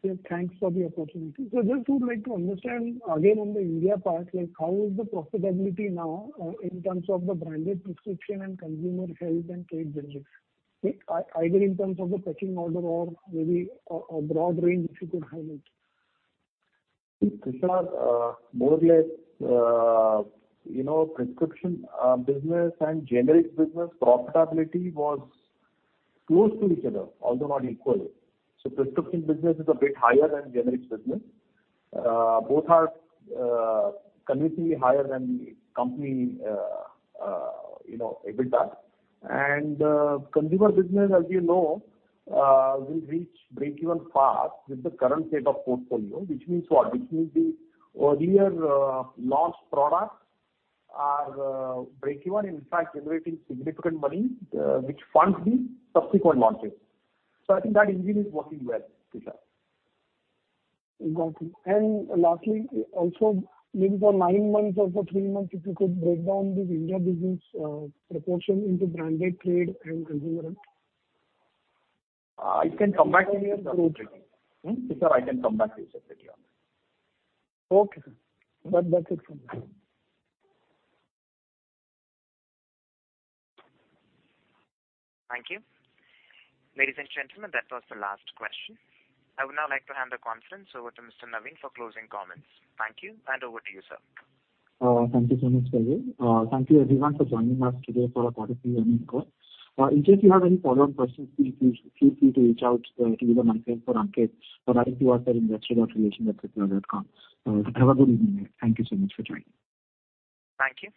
S14: Yeah, thanks for the opportunity. Just would like to understand again on the India part, like how is the profitability now, in terms of the branded prescription and consumer health and trade business? Either in terms of the cash in order or maybe a broad range if you could highlight.
S4: Tushar, more or less, you know, prescription business and generics business profitability was close to each other, although not equally. Prescription business is a bit higher than generics business. Both are conversely higher than the company, you know, EBITDA. Consumer business, as you know, will reach breakeven fast with the current state of portfolio. Which means what? Which means the earlier launched products are breakeven, in fact generating significant money, which funds the subsequent launches. I think that engine is working well, Tushar.
S14: Got you. Lastly, also maybe for 9 months or for 3 months, if you could break down this India business proportion into branded, trade, and consumer.
S4: I can come back to you Tushar.
S14: Okay.
S4: Tushar, I can come back to you separately on that.
S14: Okay, sir. That, that's it from me.
S1: Thank you. Ladies and gentlemen, that was the last question. I would now like to hand the conference over to Mr. Naveen for closing comments. Thank you, and over to you, sir.
S2: Thank you so much, Rajat. Thank you everyone for joining us today for our quarterly earnings call. In case you have any follow-up questions, please feel free to reach out either myself or Ankit or writing to us at investor.relations@cipla.com. Have a good evening. Thank you so much for joining.
S1: Thank you.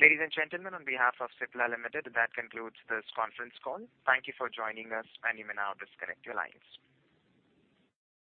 S1: Ladies and gentlemen, on behalf of Cipla Limited, that concludes this conference call. Thank you for joining us, and you may now disconnect your lines.